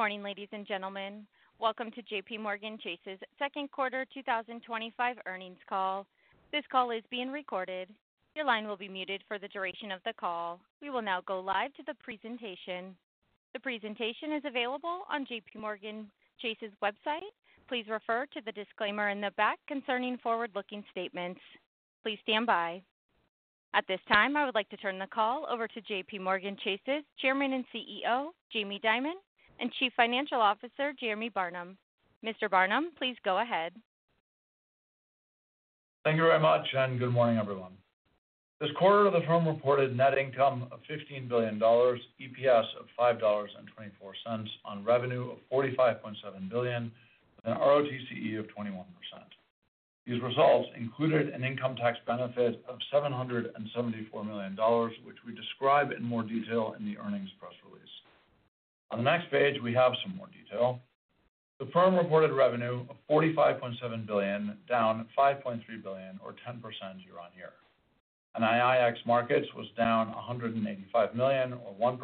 Good morning, ladies and gentlemen. Welcome to JPMorgan Chase's Second Quarter 2025 earnings call. This call is being recorded. Your line will be muted for the duration of the call. We will now go live to the presentation. The presentation is available on JPMorgan Chase's website. Please refer to the disclaimer in the back concerning forward-looking statements. Please stand by. At this time, I would like to turn the call over to JPMorgan Chase's Chairman and CEO, Jamie Dimon, and Chief Financial Officer, Jeremy Barnum. Mr. Barnum, please go ahead. Thank you very much, and good morning, everyone. This quarter, the firm reported net income of $15 billion, EPS of $5.24, on revenue of $45.7 billion, and ROTCE of 21%. These results included an income tax benefit of $774 million, which we describe in more detail in the earnings press release. On the next page, we have some more detail. The firm reported revenue of $45.7 billion, down $5.3 billion, or 10% year-on-year. IIX Markets was down $185 million, or 1%,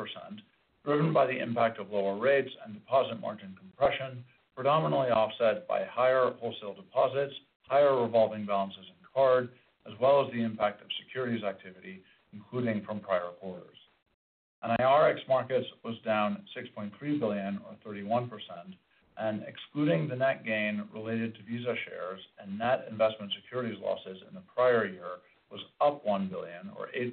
driven by the impact of lower rates and deposit margin compression, predominantly offset by higher wholesale deposits, higher revolving balances in card, as well as the impact of securities activity, including from prior quarters. IRX Markets was down $6.3 billion, or 31%, and excluding the net gain related to Visa shares and net investment securities losses in the prior year, was up $1 billion, or 8%,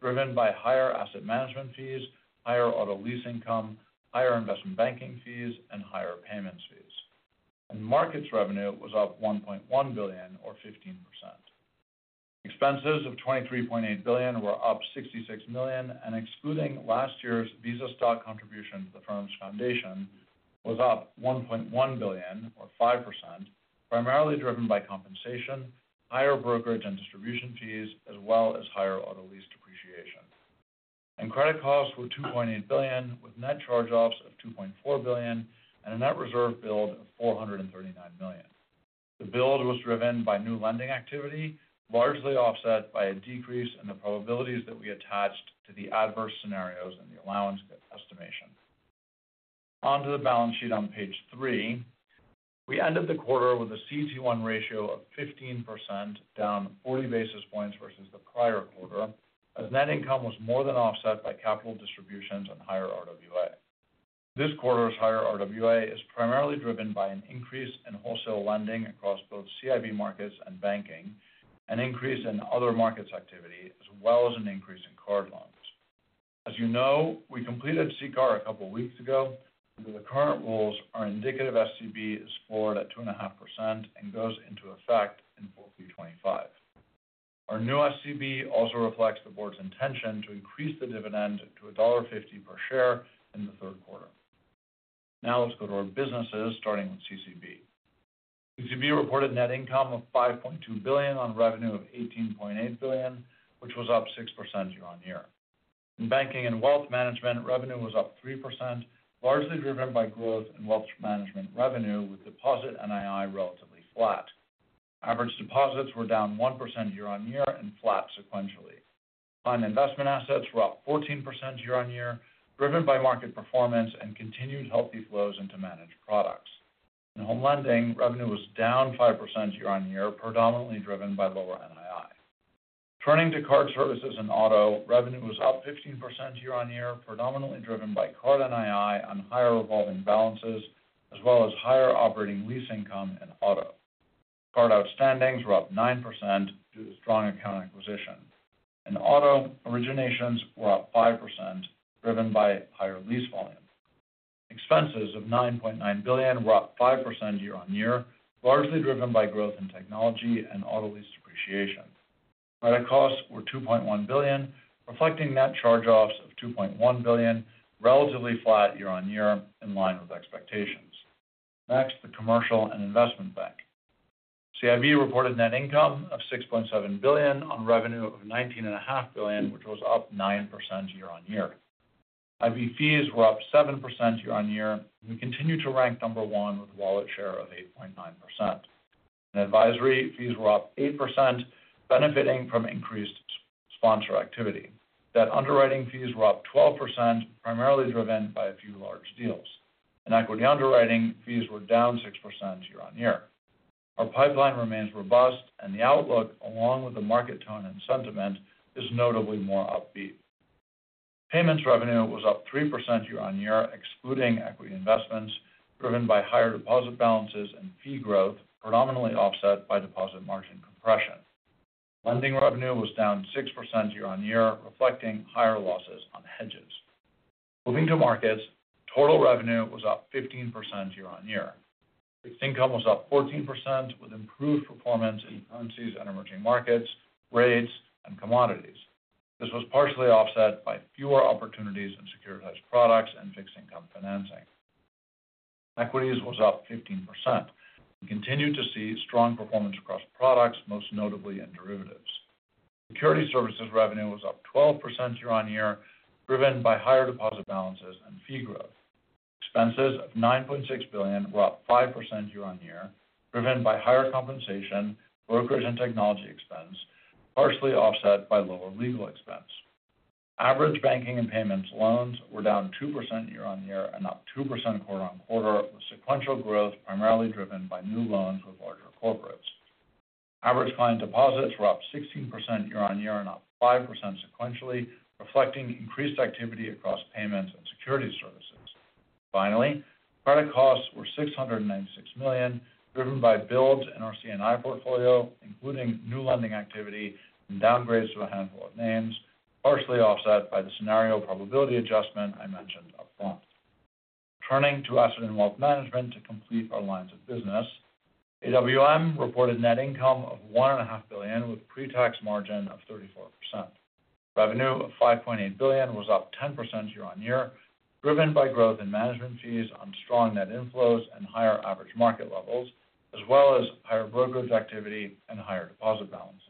driven by higher asset management fees, higher auto lease income, higher investment banking fees, and higher payments fees. Markets revenue was up $1.1 billion, or 15%. Expenses of $23.8 billion were up $66 million, and excluding last year's Visa stock contribution to the firm's foundation, was up $1.1 billion, or 5%, primarily driven by compensation, higher brokerage and distribution fees, as well as higher auto lease depreciation. Credit costs were $2.8 billion, with net charge-offs of $2.4 billion and a net reserve build of $439 million. The build was driven by new lending activity, largely offset by a decrease in the probabilities that we attached to the adverse scenarios in the allowance estimation. Onto the balance sheet on page three. We ended the quarter with a CET1 ratio of 15%, down 40 basis points versus the prior quarter, as net income was more than offset by capital distributions and higher RWA. This quarter's higher RWA is primarily driven by an increase in wholesale lending across both CIB markets and banking, an increase in other markets activity, as well as an increase in card loans. As you know, we completed CCAR a couple of weeks ago, and the current rules are indicative SCB is floored at 2.5% and goes into effect in April 2025. Our new SCB also reflects the board's intention to increase the dividend to $1.50 per share in the third quarter. Now let's go to our businesses, starting with CCB. CCB reported net income of $5.2 billion on revenue of $18.8 billion, which was up 6% year-on-year. In banking and wealth management, revenue was up 3%, largely driven by growth in wealth management revenue, with deposit and NII relatively flat. Average deposits were down 1% year-on-year and flat sequentially. Client investment assets were up 14% year-on-year, driven by market performance and continued healthy flows into managed products. In home lending, revenue was down 5% year-on-year, predominantly driven by lower NII. Turning to card services and auto, revenue was up 15% year-on-year, predominantly driven by card and NII on higher revolving balances, as well as higher operating lease income in auto. Card outstandings were up 9% due to strong account acquisition. In auto, originations were up 5%, driven by higher lease volume. Expenses of $9.9 billion were up 5% year-on-year, largely driven by growth in technology and auto lease depreciation. Credit costs were $2.1 billion, reflecting net charge-offs of $2.1 billion, relatively flat year-on-year, in line with expectations. Next, the commercial and investment bank. CIB reported net income of $6.7 billion on revenue of $19.5 billion, which was up 9% year-on-year. IB fees were up 7% year-on-year, and we continue to rank number one with a wallet share of 8.9%. Advisory fees were up 8%, benefiting from increased sponsor activity. Debt underwriting fees were up 12%, primarily driven by a few large deals. Equity underwriting fees were down 6% year-on-year. Our pipeline remains robust, and the outlook, along with the market tone and sentiment, is notably more upbeat. Payments revenue was up 3% year-on-year, excluding equity investments, driven by higher deposit balances and fee growth, predominantly offset by deposit margin compression. Lending revenue was down 6% year-on-year, reflecting higher losses on hedges. Moving to markets, total revenue was up 15% year-on-year. Fixed income was up 14%, with improved performance in currencies and emerging markets, rates, and commodities. This was partially offset by fewer opportunities in securitized products and fixed income financing. Equities was up 15%. We continue to see strong performance across products, most notably in derivatives. Security services revenue was up 12% year-on-year, driven by higher deposit balances and fee growth. Expenses of $9.6 billion were up 5% year-on-year, driven by higher compensation, brokerage, and technology expense, partially offset by lower legal expense. Average banking and payments loans were down 2% year-on-year and up 2% quarter on quarter, with sequential growth primarily driven by new loans with larger corporates. Average client deposits were up 16% year-on-year and up 5% sequentially, reflecting increased activity across payments and security services. Finally, credit costs were $696 million, driven by builds in our CNI portfolio, including new lending activity and downgrades to a handful of names, partially offset by the scenario probability adjustment I mentioned upfront. Turning to asset and wealth management to complete our lines of business, AWM reported net income of $1.5 billion, with a pre-tax margin of 34%. Revenue of $5.8 billion was up 10% year-on-year, driven by growth in management fees on strong net inflows and higher average market levels, as well as higher brokerage activity and higher deposit balances.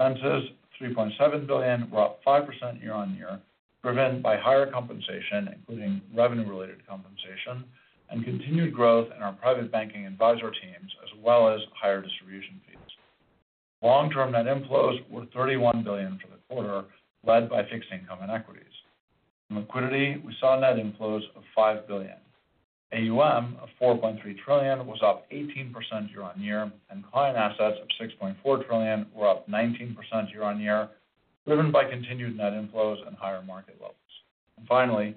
Expenses of $3.7 billion were up 5% year-on-year, driven by higher compensation, including revenue-related compensation, and continued growth in our private banking advisor teams, as well as higher distribution fees. Long-term net inflows were $31 billion for the quarter, led by fixed income and equities. In liquidity, we saw net inflows of $5 billion. AUM of $4.3 trillion was up 18% year-on-year, and client assets of $6.4 trillion were up 19% year-on-year, driven by continued net inflows and higher market levels. Finally,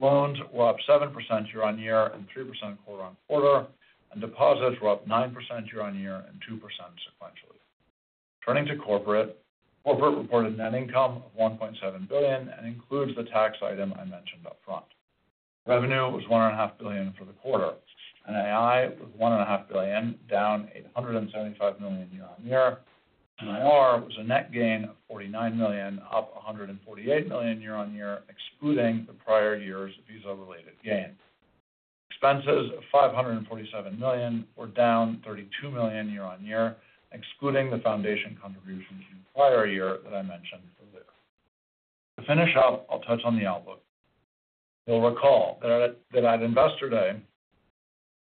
loans were up 7% year-on-year and 3% quarter on quarter, and deposits were up 9% year-on-year and 2% sequentially. Turning to corporate, corporate reported net income of $1.7 billion and includes the tax item I mentioned upfront. Revenue was $1.5 billion for the quarter. NII was $1.5 billion, down $875 million year-on-year. NIR was a net gain of $49 million, up $148 million year-on-year, excluding the prior year's Visa-related gain. Expenses of $547 million were down $32 million year-on-year, excluding the foundation contributions from the prior year that I mentioned earlier. To finish up, I'll touch on the outlook. You'll recall that at Investor Day,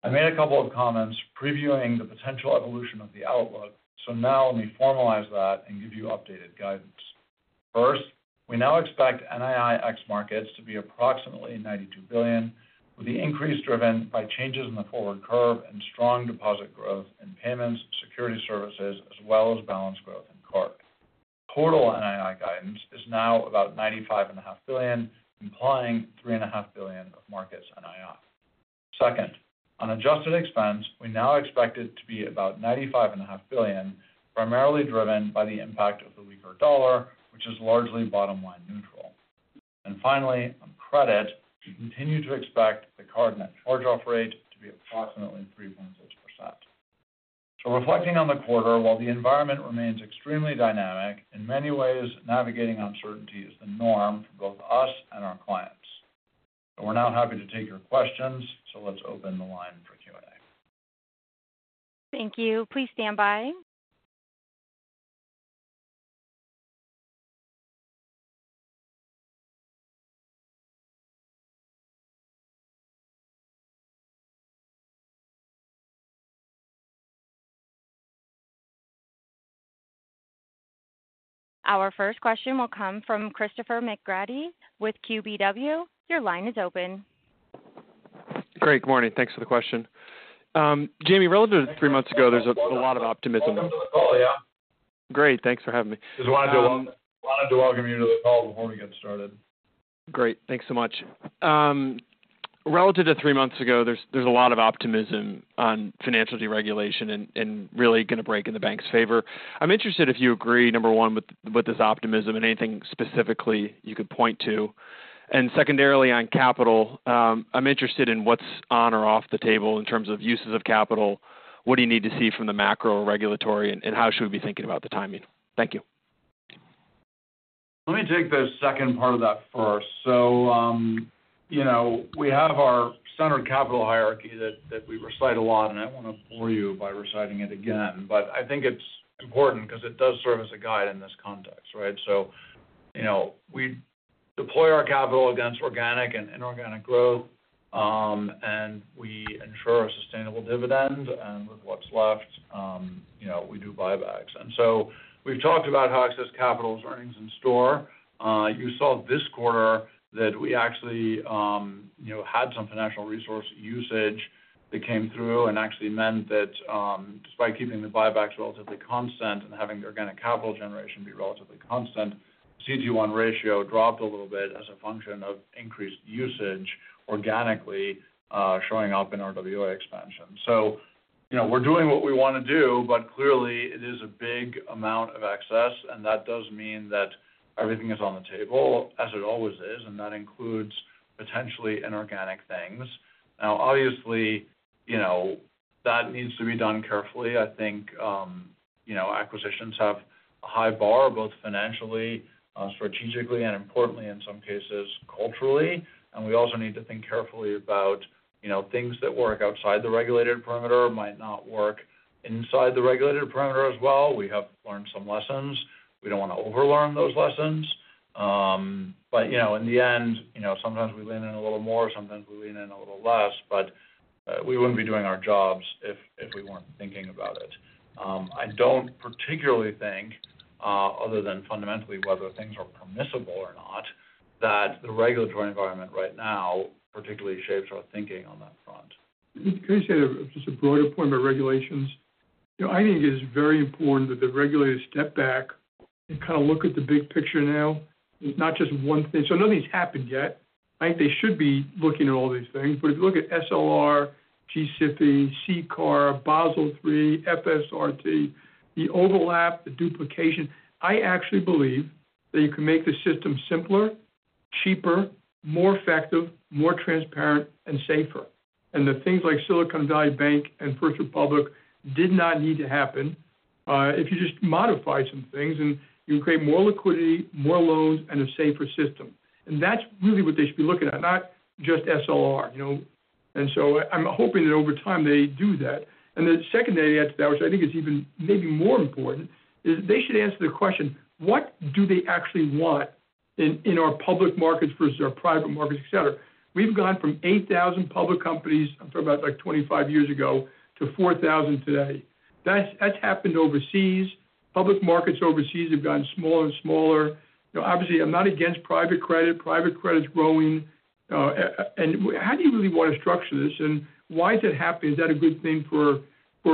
I made a couple of comments previewing the potential evolution of the outlook, so now let me formalize that and give you updated guidance. First, we now expect NIIX Markets to be approximately $92 billion, with the increase driven by changes in the forward curve and strong deposit growth in payments, security services, as well as balance growth in card. Total NII guidance is now about $95.5 billion, implying $3.5 billion of markets NII. Second, on adjusted expense, we now expect it to be about $95.5 billion, primarily driven by the impact of the weaker dollar, which is largely bottom-line neutral. Finally, on credit, we continue to expect the card net charge-off rate to be approximately 3.6%. Reflecting on the quarter, while the environment remains extremely dynamic, in many ways, navigating uncertainty is the norm for both us and our clients. We're now happy to take your questions, so let's open the line for Q&A. Thank you. Please stand by. Our first question will come from Christopher McGrady with KBW. Your line is open. Great. Good morning. Thanks for the question. Jamie, relative to three months ago, there's a lot of optimism. Hello. Yeah. Great. Thanks for having me. Just wanted to welcome you to the call before we get started. Great. Thanks so much. Relative to three months ago, there's a lot of optimism on financial deregulation and really going to break in the bank's favor. I'm interested if you agree, number one, with this optimism and anything specifically you could point to. Secondarily, on capital, I'm interested in what's on or off the table in terms of uses of capital, what do you need to see from the macro regulatory, and how should we be thinking about the timing? Thank you. Let me take the second part of that first. We have our centered capital hierarchy that we recite a lot, and I do not want to bore you by reciting it again, but I think it is important because it does serve as a guide in this context, right? We deploy our capital against organic and inorganic growth, and we ensure a sustainable dividend, and with what is left, we do buybacks. We have talked about how excess capital's earnings in store. You saw this quarter that we actually had some financial resource usage that came through and actually meant that despite keeping the buybacks relatively constant and having the organic capital generation be relatively constant, the CET1 ratio dropped a little bit as a function of increased usage organically showing up in our RWA expansion. We're doing what we want to do, but clearly it is a big amount of excess, and that does mean that everything is on the table, as it always is, and that includes potentially inorganic things. Now, obviously, that needs to be done carefully. I think acquisitions have a high bar, both financially, strategically, and importantly, in some cases, culturally. We also need to think carefully about things that work outside the regulated perimeter might not work inside the regulated perimeter as well. We have learned some lessons. We do not want to overlearn those lessons. In the end, sometimes we lean in a little more, sometimes we lean in a little less, but we would not be doing our jobs if we were not thinking about it. I don't particularly think, other than fundamentally whether things are permissible or not, that the regulatory environment right now particularly shapes our thinking on that front. Can I say just a broader point about regulations? I think it is very important that the regulators step back and kind of look at the big picture now, not just one thing. Nothing's happened yet. I think they should be looking at all these things. If you look at SLR, CCAR, Basel III, FSRT, the overlap, the duplication, I actually believe that you can make the system simpler, cheaper, more effective, more transparent, and safer. Things like Silicon Valley Bank and First Republic did not need to happen if you just modified some things, and you create more liquidity, more loans, and a safer system. That's really what they should be looking at, not just SLR. I'm hoping that over time they do that. The second thing they add to that, which I think is even maybe more important, is they should answer the question, "What do they actually want in our public markets versus our private markets, etc.?" We have gone from 8,000 public companies, I am talking about like 25 years ago, to 4,000 today. That has happened overseas. Public markets overseas have gotten smaller and smaller. Obviously, I am not against private credit. Private credit is growing. How do you really want to structure this? Why is it happening? Is that a good thing for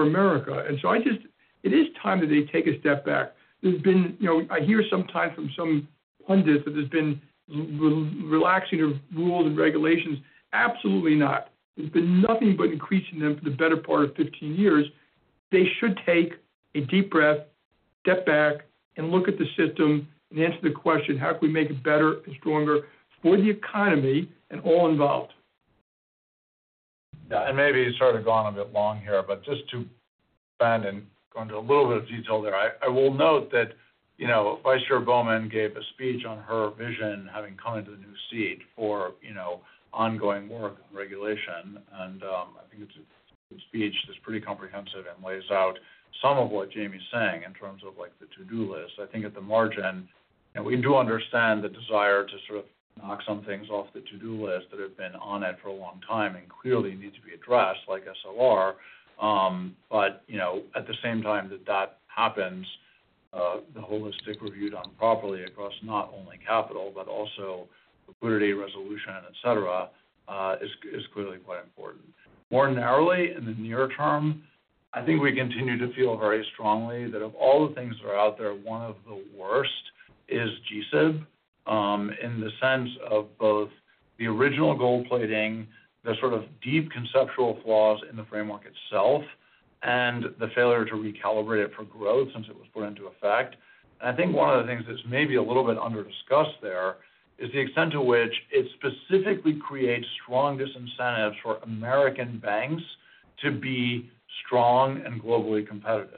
America? It is time that they take a step back. I hear sometimes from some pundits that there has been relaxing of rules and regulations. Absolutely not. There has been nothing but increasing them for the better part of 15 years. They should take a deep breath, step back, and look at the system and answer the question, "How can we make it better and stronger for the economy and all involved? Yeah. Maybe you've sort of gone a bit long here, but just to expand and go into a little bit of detail there, I will note that Vice Chair Bowman gave a speech on her vision having come into the new seat for ongoing work and regulation. I think it's a speech that's pretty comprehensive and lays out some of what Jamie's saying in terms of the to-do list. I think at the margin, we do understand the desire to sort of knock some things off the to-do list that have been on it for a long time and clearly need to be addressed, like SLR. At the same time that that happens, the holistic review done properly across not only capital, but also liquidity, resolution, et cetera, is clearly quite important. More narrowly, in the near term, I think we continue to feel very strongly that of all the things that are out there, one of the worst is GSIB in the sense of both the original gold plating, the sort of deep conceptual flaws in the framework itself, and the failure to recalibrate it for growth since it was put into effect. I think one of the things that's maybe a little bit under-discussed there is the extent to which it specifically creates strong disincentives for American banks to be strong and globally competitive.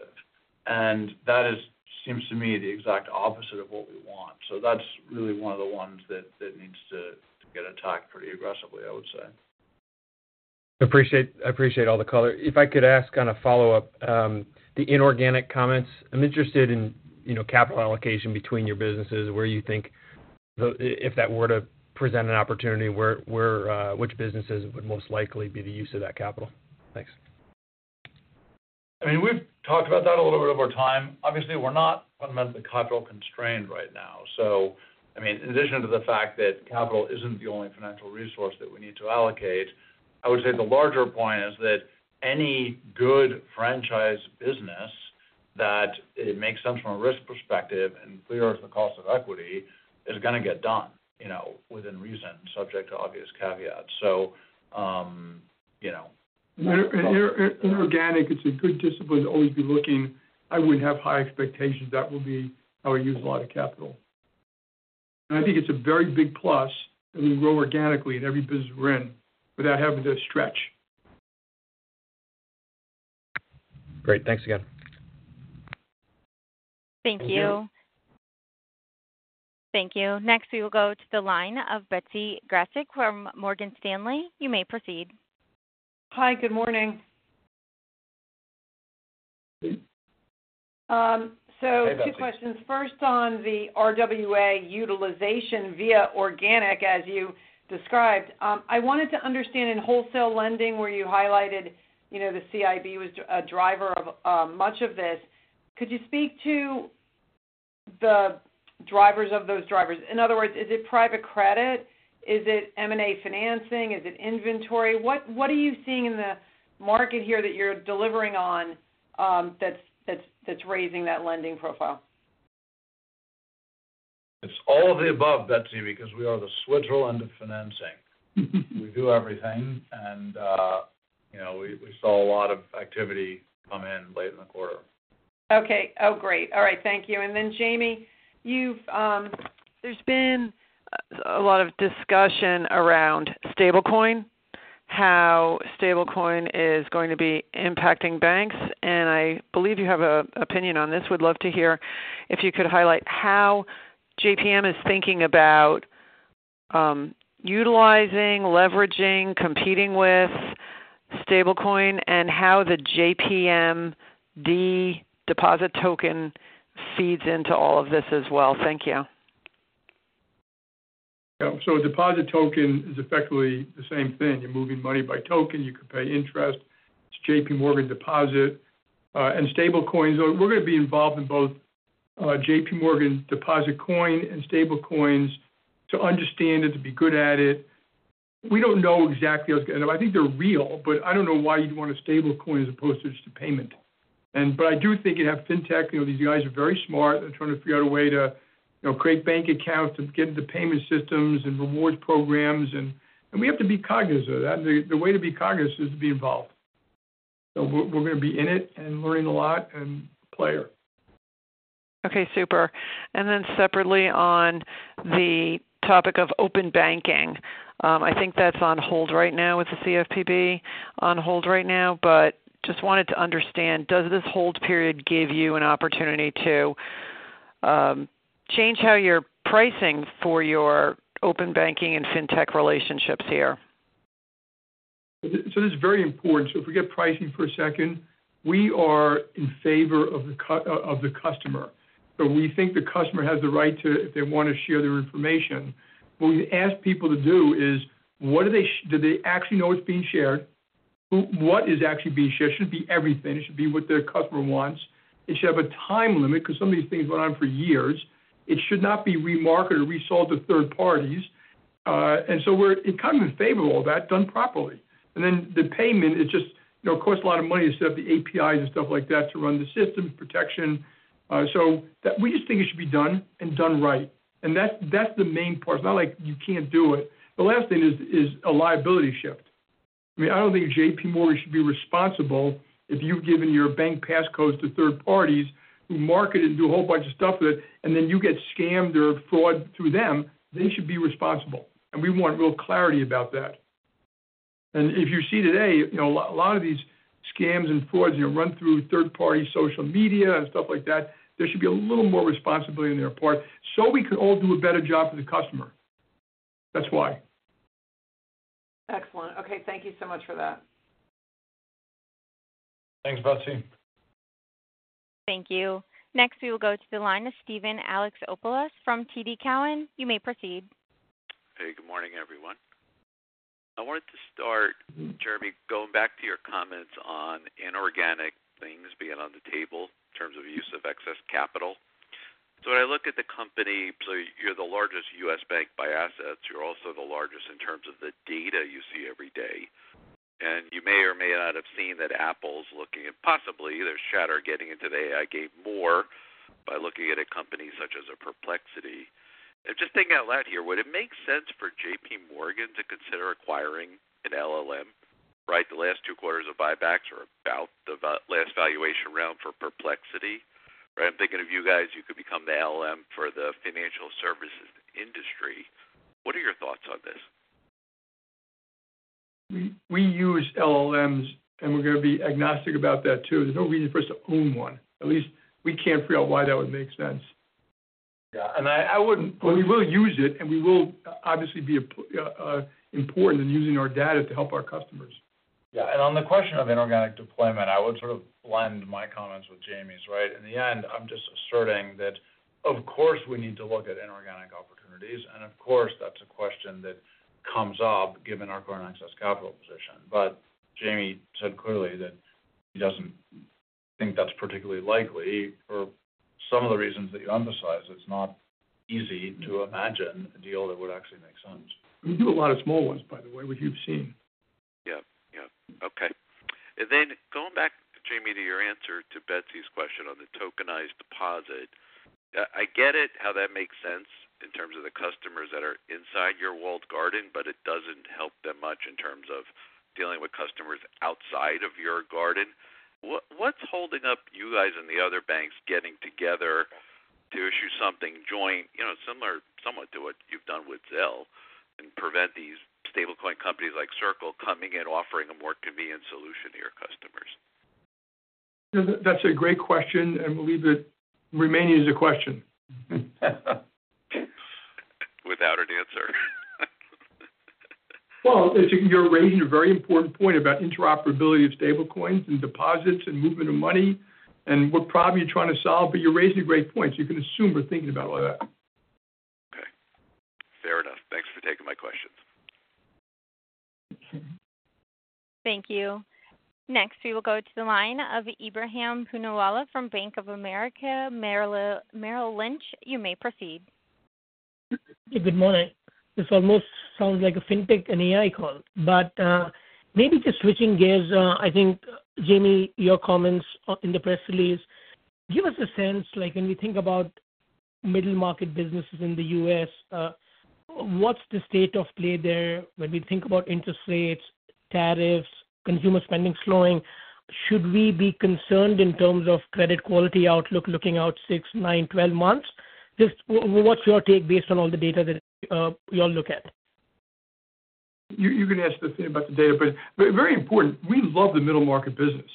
That seems to me the exact opposite of what we want. That's really one of the ones that needs to get attacked pretty aggressively, I would say. I appreciate all the color. If I could ask on a follow-up, the inorganic comments, I'm interested in capital allocation between your businesses, where you think if that were to present an opportunity, which businesses would most likely be the use of that capital. Thanks. I mean, we've talked about that a little bit over time. Obviously, we're not fundamentally capital constrained right now. So I mean, in addition to the fact that capital isn't the only financial resource that we need to allocate, I would say the larger point is that any good franchise business that makes sense from a risk perspective and clears the cost of equity is going to get done within reason, subject to obvious caveats. Inorganic, it's a good discipline to always be looking. I wouldn't have high expectations. That will be how I use a lot of capital. I think it's a very big plus that we grow organically in every business we're in without having to stretch. Great. Thanks again. Thank you. Thank you. Next, we will go to the line of Betsy Grasek from Morgan Stanley. You may proceed. Hi. Good morning. Two questions. First, on the RWA utilization via organic, as you described, I wanted to understand in wholesale lending where you highlighted the CIB was a driver of much of this. Could you speak to the drivers of those drivers? In other words, is it private credit? Is it M&A financing? Is it inventory? What are you seeing in the market here that you're delivering on that's raising that lending profile? It's all of the above, Betsy, because we are the switcheroo end of financing. We do everything, and we saw a lot of activity come in late in the quarter. Okay. Oh, great. All right. Thank you. Jamie, there has been a lot of discussion around stablecoin, how stablecoin is going to be impacting banks. I believe you have an opinion on this. Would love to hear if you could highlight how JPM is thinking about utilizing, leveraging, competing with stablecoin, and how the JPM deposit token feeds into all of this as well. Thank you. A deposit token is effectively the same thing. You're moving money by token. You could pay interest. It's JPMorgan Deposit. Stablecoins, we're going to be involved in both JPMorgan Deposit Coin and stablecoins to understand it, to be good at it. We don't know exactly how it's going to go. I think they're real, but I don't know why you'd want a stablecoin as opposed to just a payment. I do think you have fintech. These guys are very smart. They're trying to figure out a way to create bank accounts and get into payment systems and rewards programs. We have to be cognizant of that. The way to be cognizant is to be involved. We're going to be in it and learning a lot and a player. Okay. Super. Then separately on the topic of open banking, I think that's on hold right now with the CFPB, on hold right now, but just wanted to understand, does this hold period give you an opportunity to change how you're pricing for your open banking and fintech relationships here? This is very important. If we get pricing for a second, we are in favor of the customer. We think the customer has the right to, if they want to, share their information. What we ask people to do is, do they actually know it's being shared? What is actually being shared? It shouldn't be everything. It should be what their customer wants. It should have a time limit because some of these things went on for years. It should not be remarketed or resold to third parties. We are in favor of all that, done properly. The payment, it just costs a lot of money to set up the APIs and stuff like that to run the systems, protection. We just think it should be done and done right. That's the main part. It's not like you can't do it. The last thing is a liability shift. I mean, I don't think JPMorgan should be responsible if you've given your bank passcodes to third parties who market it and do a whole bunch of stuff with it, and then you get scammed or fraud through them. They should be responsible. We want real clarity about that. If you see today, a lot of these scams and frauds run through third-party social media and stuff like that. There should be a little more responsibility on their part so we can all do a better job for the customer. That's why. Excellent. Okay. Thank you so much for that. Thanks, Betsy. Thank you. Next, we will go to the line of Steven Alexopoulos from TD Cowen. You may proceed. Hey, good morning, everyone. I wanted to start, Jeremy, going back to your comments on inorganic things being on the table in terms of use of excess capital. When I look at the company, you're the largest U.S. bank by assets. You're also the largest in terms of the data you see every day. You may or may not have seen that Apple is looking at possibly their shadow getting into the AI game more by looking at a company such as Perplexity. Just thinking out loud here, would it make sense for JPMorgan to consider acquiring an LLM? The last two quarters of buybacks are about the last valuation round for Perplexity. I'm thinking of you guys. You could become the LLM for the financial services industry. What are your thoughts on this? We use LLMs, and we're going to be agnostic about that too. There's no reason for us to own one. At least we can't figure out why that would make sense. Yeah. I wouldn't. We will use it, and we will obviously be important in using our data to help our customers. Yeah. On the question of inorganic deployment, I would sort of blend my comments with Jamie's. Right? In the end, I'm just asserting that, of course, we need to look at inorganic opportunities. Of course, that's a question that comes up given our current excess capital position. Jamie said clearly that he doesn't think that's particularly likely for some of the reasons that you emphasize. It's not easy to imagine a deal that would actually make sense. We do a lot of small ones, by the way, which you've seen. Yeah. Yeah. Okay. Then going back, Jamie, to your answer to Betsy's question on the tokenized deposit, I get it how that makes sense in terms of the customers that are inside your walled garden, but it doesn't help them much in terms of dealing with customers outside of your garden. What's holding up you guys and the other banks getting together to issue something joint, similar somewhat to what you've done with Zelle, and prevent these stablecoin companies like Circle coming in, offering a more convenient solution to your customers? That's a great question, and we'll leave it remaining as a question. Without an answer. You're raising a very important point about interoperability of stablecoins and deposits and movement of money and what problem you're trying to solve. You're raising a great point. You can assume we're thinking about all that. Okay. Fair enough. Thanks for taking my questions. Thank you. Next, we will go to the line of Ebrahim Poonawalla from Bank of America Merrill Lynch. You may proceed. Good morning. This almost sounds like a fintech and AI call. Maybe just switching gears, I think, Jamie, your comments in the press release give us a sense when we think about middle market businesses in the U.S., what's the state of play there when we think about interest rates, tariffs, consumer spending slowing? Should we be concerned in terms of credit quality outlook looking out 6, 9, 12 months? Just what's your take based on all the data that you all look at? You can ask the thing about the data, but very important, we love the middle market business.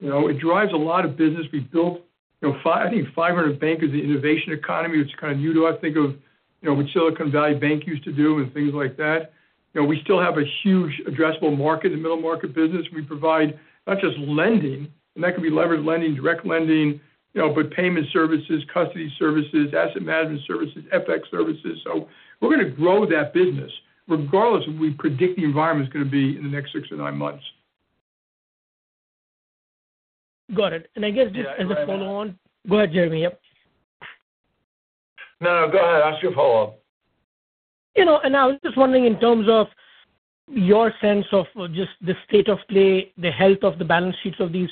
It drives a lot of business. We built, I think, 500 banks as an innovation economy, which is kind of new to us. Think of what Silicon Valley Bank used to do and things like that. We still have a huge addressable market in the middle market business. We provide not just lending, and that can be leveraged lending, direct lending, but payment services, custody services, asset management services, FX services. We are going to grow that business regardless of what we predict the environment is going to be in the next 6 to 9 months. Got it. I guess just as a follow-on. Go ahead, Jeremy. Yep. No, no. Go ahead. Ask your follow-up. I was just wondering in terms of your sense of just the state of play, the health of the balance sheets of these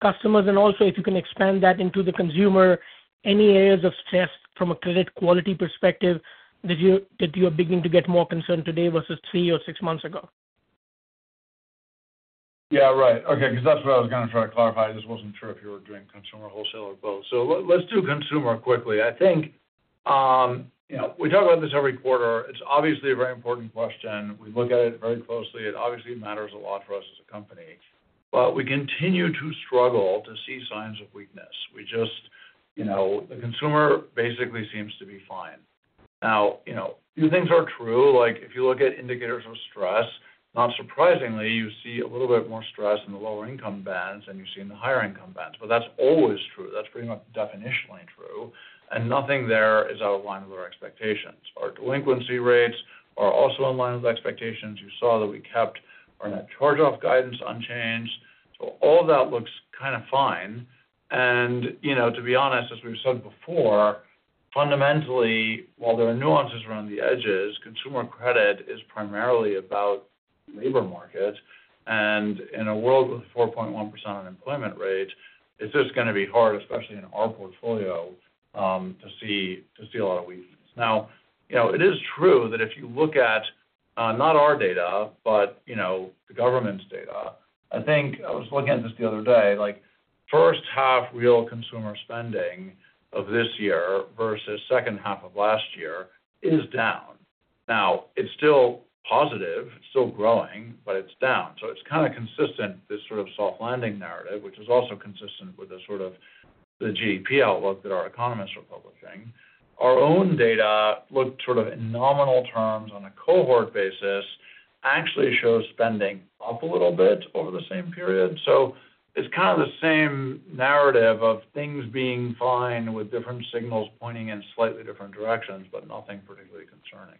customers, and also if you can expand that into the consumer, any areas of stress from a credit quality perspective that you are beginning to get more concerned today versus three or six months ago? Yeah. Right. Okay. Because that is what I was going to try to clarify. I just was not sure if you were doing consumer, wholesale, or both. Let us do consumer quickly. I think we talk about this every quarter. It is obviously a very important question. We look at it very closely. It obviously matters a lot for us as a company. We continue to struggle to see signs of weakness. The consumer basically seems to be fine. Now, a few things are true. If you look at indicators of stress, not surprisingly, you see a little bit more stress in the lower-income bands than you see in the higher-income bands. That is always true. That is pretty much definitionally true. Nothing there is out of line with our expectations. Our delinquency rates are also in line with expectations. You saw that we kept our net charge-off guidance unchanged. All of that looks kind of fine. To be honest, as we've said before, fundamentally, while there are nuances around the edges, consumer credit is primarily about the labor market. In a world with a 4.1% unemployment rate, it's just going to be hard, especially in our portfolio, to see a lot of weakness. It is true that if you look at not our data, but the government's data, I think I was looking at this the other day. First half real consumer spending of this year versus second half of last year is down. It's still positive. It's still growing, but it's down. It's kind of consistent, this sort of soft landing narrative, which is also consistent with the sort of GDP outlook that our economists are publishing. Our own data, looked sort of in nominal terms on a cohort basis, actually shows spending up a little bit over the same period. It is kind of the same narrative of things being fine with different signals pointing in slightly different directions, but nothing particularly concerning.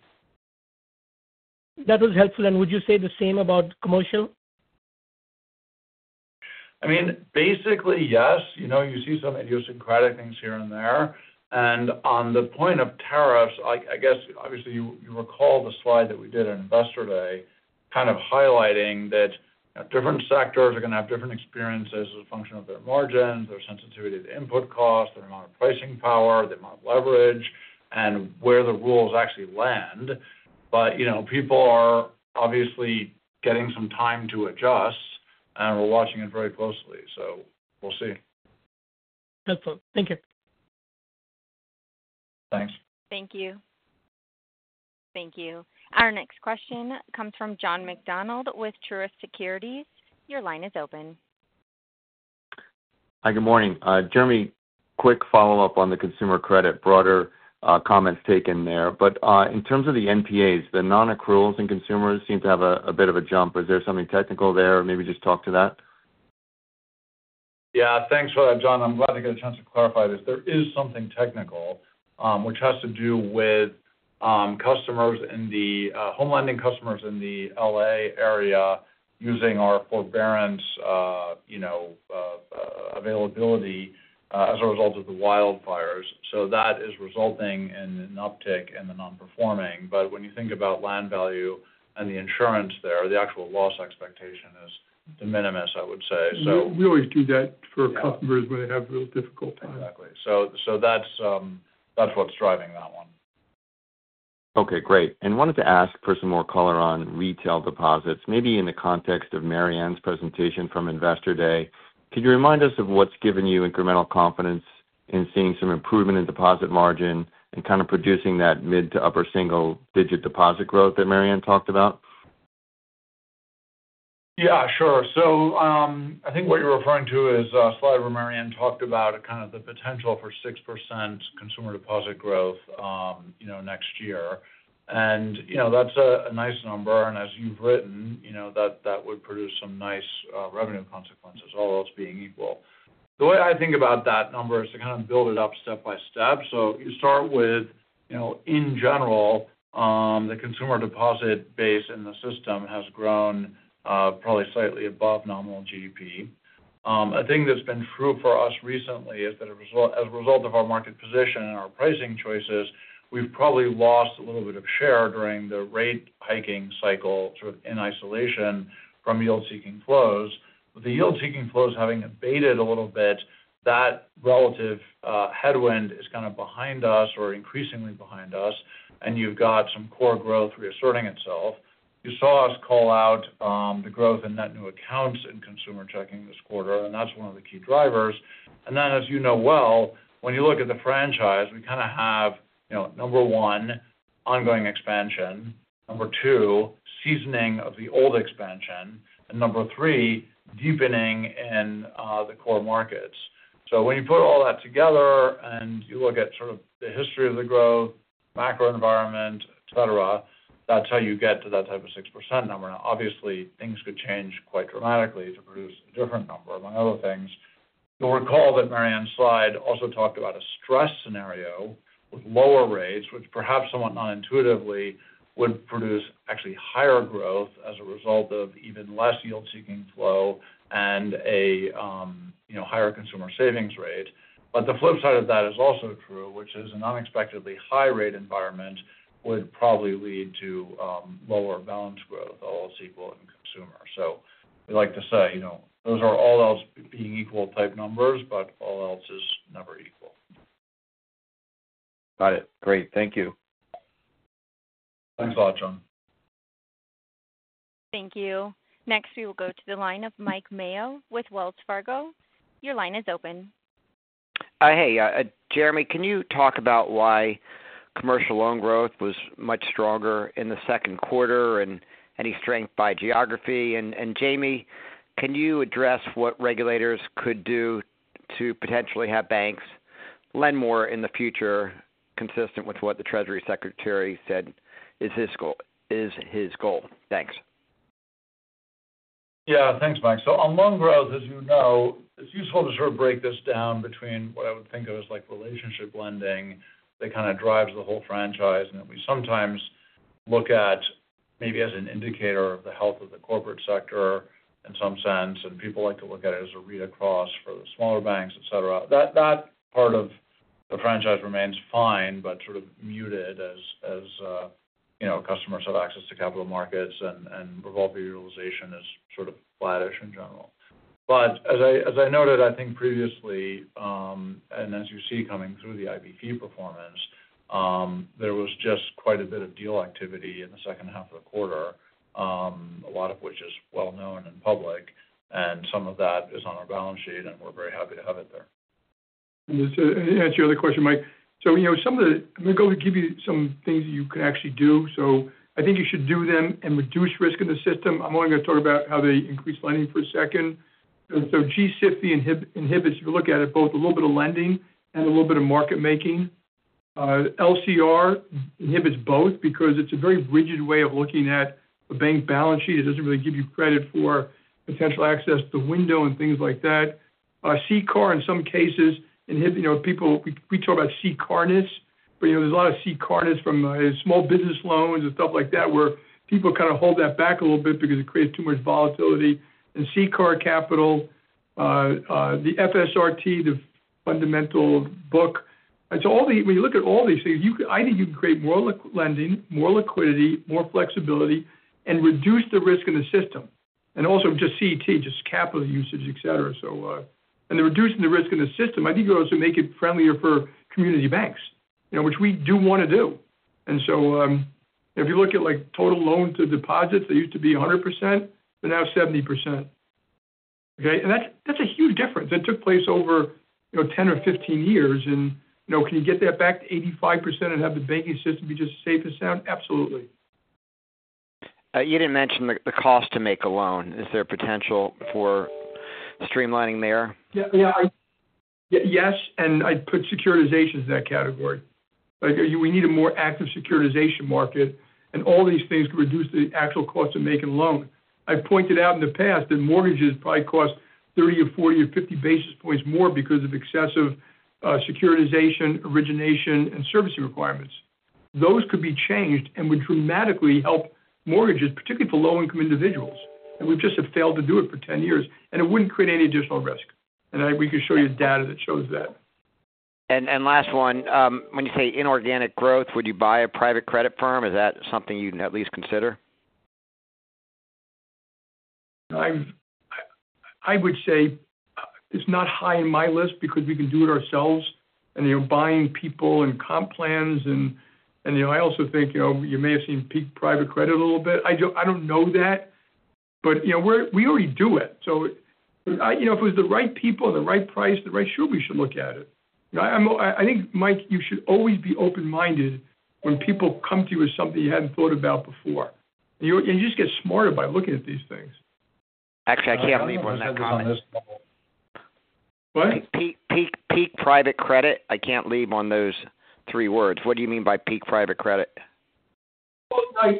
That was helpful. Would you say the same about commercial? I mean, basically, yes. You see some idiosyncratic things here and there. On the point of tariffs, I guess, obviously, you recall the slide that we did on Investor Day kind of highlighting that different sectors are going to have different experiences as a function of their margins, their sensitivity to input cost, their amount of pricing power, the amount of leverage, and where the rules actually land. People are obviously getting some time to adjust, and we're watching it very closely. We will see. Excellent. Thank you. Thanks. Thank you. Thank you. Our next question comes from John McDonald with Truist Securities. Your line is open. Hi. Good morning. Jeremy, quick follow-up on the consumer credit, broader comments taken there. In terms of the NPAs, the non-accruals and consumers seem to have a bit of a jump. Is there something technical there? Maybe just talk to that. Yeah. Thanks for that, John. I'm glad to get a chance to clarify this. There is something technical, which has to do with customers in the home lending customers in the Los Angeles area using our forbearance availability as a result of the wildfires. That is resulting in an uptick in the non-performing. When you think about land value and the insurance there, the actual loss expectation is de minimis, I would say. We always do that for customers when they have real difficult times. Exactly. So that's what's driving that one. Okay. Great. I wanted to ask for some more color on retail deposits, maybe in the context of Marianne's presentation from Investor Day. Could you remind us of what's given you incremental confidence in seeing some improvement in deposit margin and kind of producing that mid to upper single-digit deposit growth that Marianne talked about? Yeah. Sure. I think what you're referring to is a slide where Marianne talked about kind of the potential for 6% consumer deposit growth next year. That's a nice number. As you've written, that would produce some nice revenue consequences, all else being equal. The way I think about that number is to kind of build it up step by step. You start with, in general, the consumer deposit base in the system has grown probably slightly above nominal GDP. A thing that's been true for us recently is that as a result of our market position and our pricing choices, we've probably lost a little bit of share during the rate hiking cycle sort of in isolation from yield-seeking flows. With the yield-seeking flows having abated a little bit, that relative headwind is kind of behind us or increasingly behind us. You have got some core growth reasserting itself. You saw us call out the growth in net new accounts and consumer checking this quarter. That is one of the key drivers. As you know well, when you look at the franchise, we kind of have, number one, ongoing expansion. Number two, seasoning of the old expansion. Number three, deepening in the core markets. When you put all that together and you look at sort of the history of the growth, macro environment, etc., that is how you get to that type of 6% number. Obviously, things could change quite dramatically to produce a different number among other things. You will recall that Marianne's slide also talked about a stress scenario with lower rates, which perhaps somewhat non-intuitively would produce actually higher growth as a result of even less yield-seeking flow and a higher consumer savings rate. The flip side of that is also true, which is an unexpectedly high-rate environment would probably lead to lower balance growth, all else equal in consumer. We like to say those are all else being equal type numbers, but all else is never equal. Got it. Great. Thank you. Thanks a lot, John. Thank you. Next, we will go to the line of Mike Mayo with Wells Fargo. Your line is open. Hey, Jeremy, can you talk about why commercial loan growth was much stronger in the second quarter and any strength by geography? Jamie, can you address what regulators could do to potentially have banks lend more in the future consistent with what the Treasury Secretary said is his goal? Thanks. Yeah. Thanks, Mike. On loan growth, as you know, it's useful to sort of break this down between what I would think of as relationship lending that kind of drives the whole franchise. We sometimes look at it maybe as an indicator of the health of the corporate sector in some sense. People like to look at it as a rate across for the smaller banks, etc. That part of the franchise remains fine but sort of muted as customers have access to capital markets, and revolving utilization is sort of flat-ish in general. As I noted, I think previously, and as you see coming through the IBP performance, there was just quite a bit of deal activity in the second half of the quarter, a lot of which is well-known and public. Some of that is on our balance sheet, and we're very happy to have it there. Just to answer your other question, Mike, some of the I'm going to go give you some things that you can actually do. I think you should do them and reduce risk in the system. I'm only going to talk about how they increase lending for a second. GSIB, if you look at it, both a little bit of lending and a little bit of market making. LCR inhibits both because it's a very rigid way of looking at a bank balance sheet. It doesn't really give you credit for potential access to the window and things like that. CCAR, in some cases, we talk about CCARness, but there's a lot of CCARness from small business loans and stuff like that where people kind of hold that back a little bit because it creates too much volatility. And CCAR Capital, the FSRT, the fundamental book. When you look at all these things, I think you can create more lending, more liquidity, more flexibility, and reduce the risk in the system. Also just CET1, just capital usage, etc. Reducing the risk in the system, I think it also makes it friendlier for community banks, which we do want to do. If you look at total loan to deposits, they used to be 100%. They're now 70%. That is a huge difference. That took place over 10 or 15 years. Can you get that back to 85% and have the banking system be just safe and sound? Absolutely. You didn't mention the cost to make a loan. Is there a potential for streamlining there? Yeah. Yes. I'd put securitization in that category. We need a more active securitization market, and all these things could reduce the actual cost of making a loan. I've pointed out in the past that mortgages probably cost 30 or 40 or 50 basis points more because of excessive securitization, origination, and servicing requirements. Those could be changed and would dramatically help mortgages, particularly for low-income individuals. We just have failed to do it for 10 years. It wouldn't create any additional risk. We can show you data that shows that. Last one, when you say inorganic growth, would you buy a private credit firm? Is that something you'd at least consider? I would say it's not high on my list because we can do it ourselves. Buying people and comp plans. I also think you may have seen peak private credit a little bit. I don't know that, but we already do it. If it was the right people and the right price, the right shoe, we should look at it. I think, Mike, you should always be open-minded when people come to you with something you hadn't thought about before. You just get smarter by looking at these things. Actually, I can't leave on that comment. What? Peak private credit, I can't leave on those three words. What do you mean by peak private credit?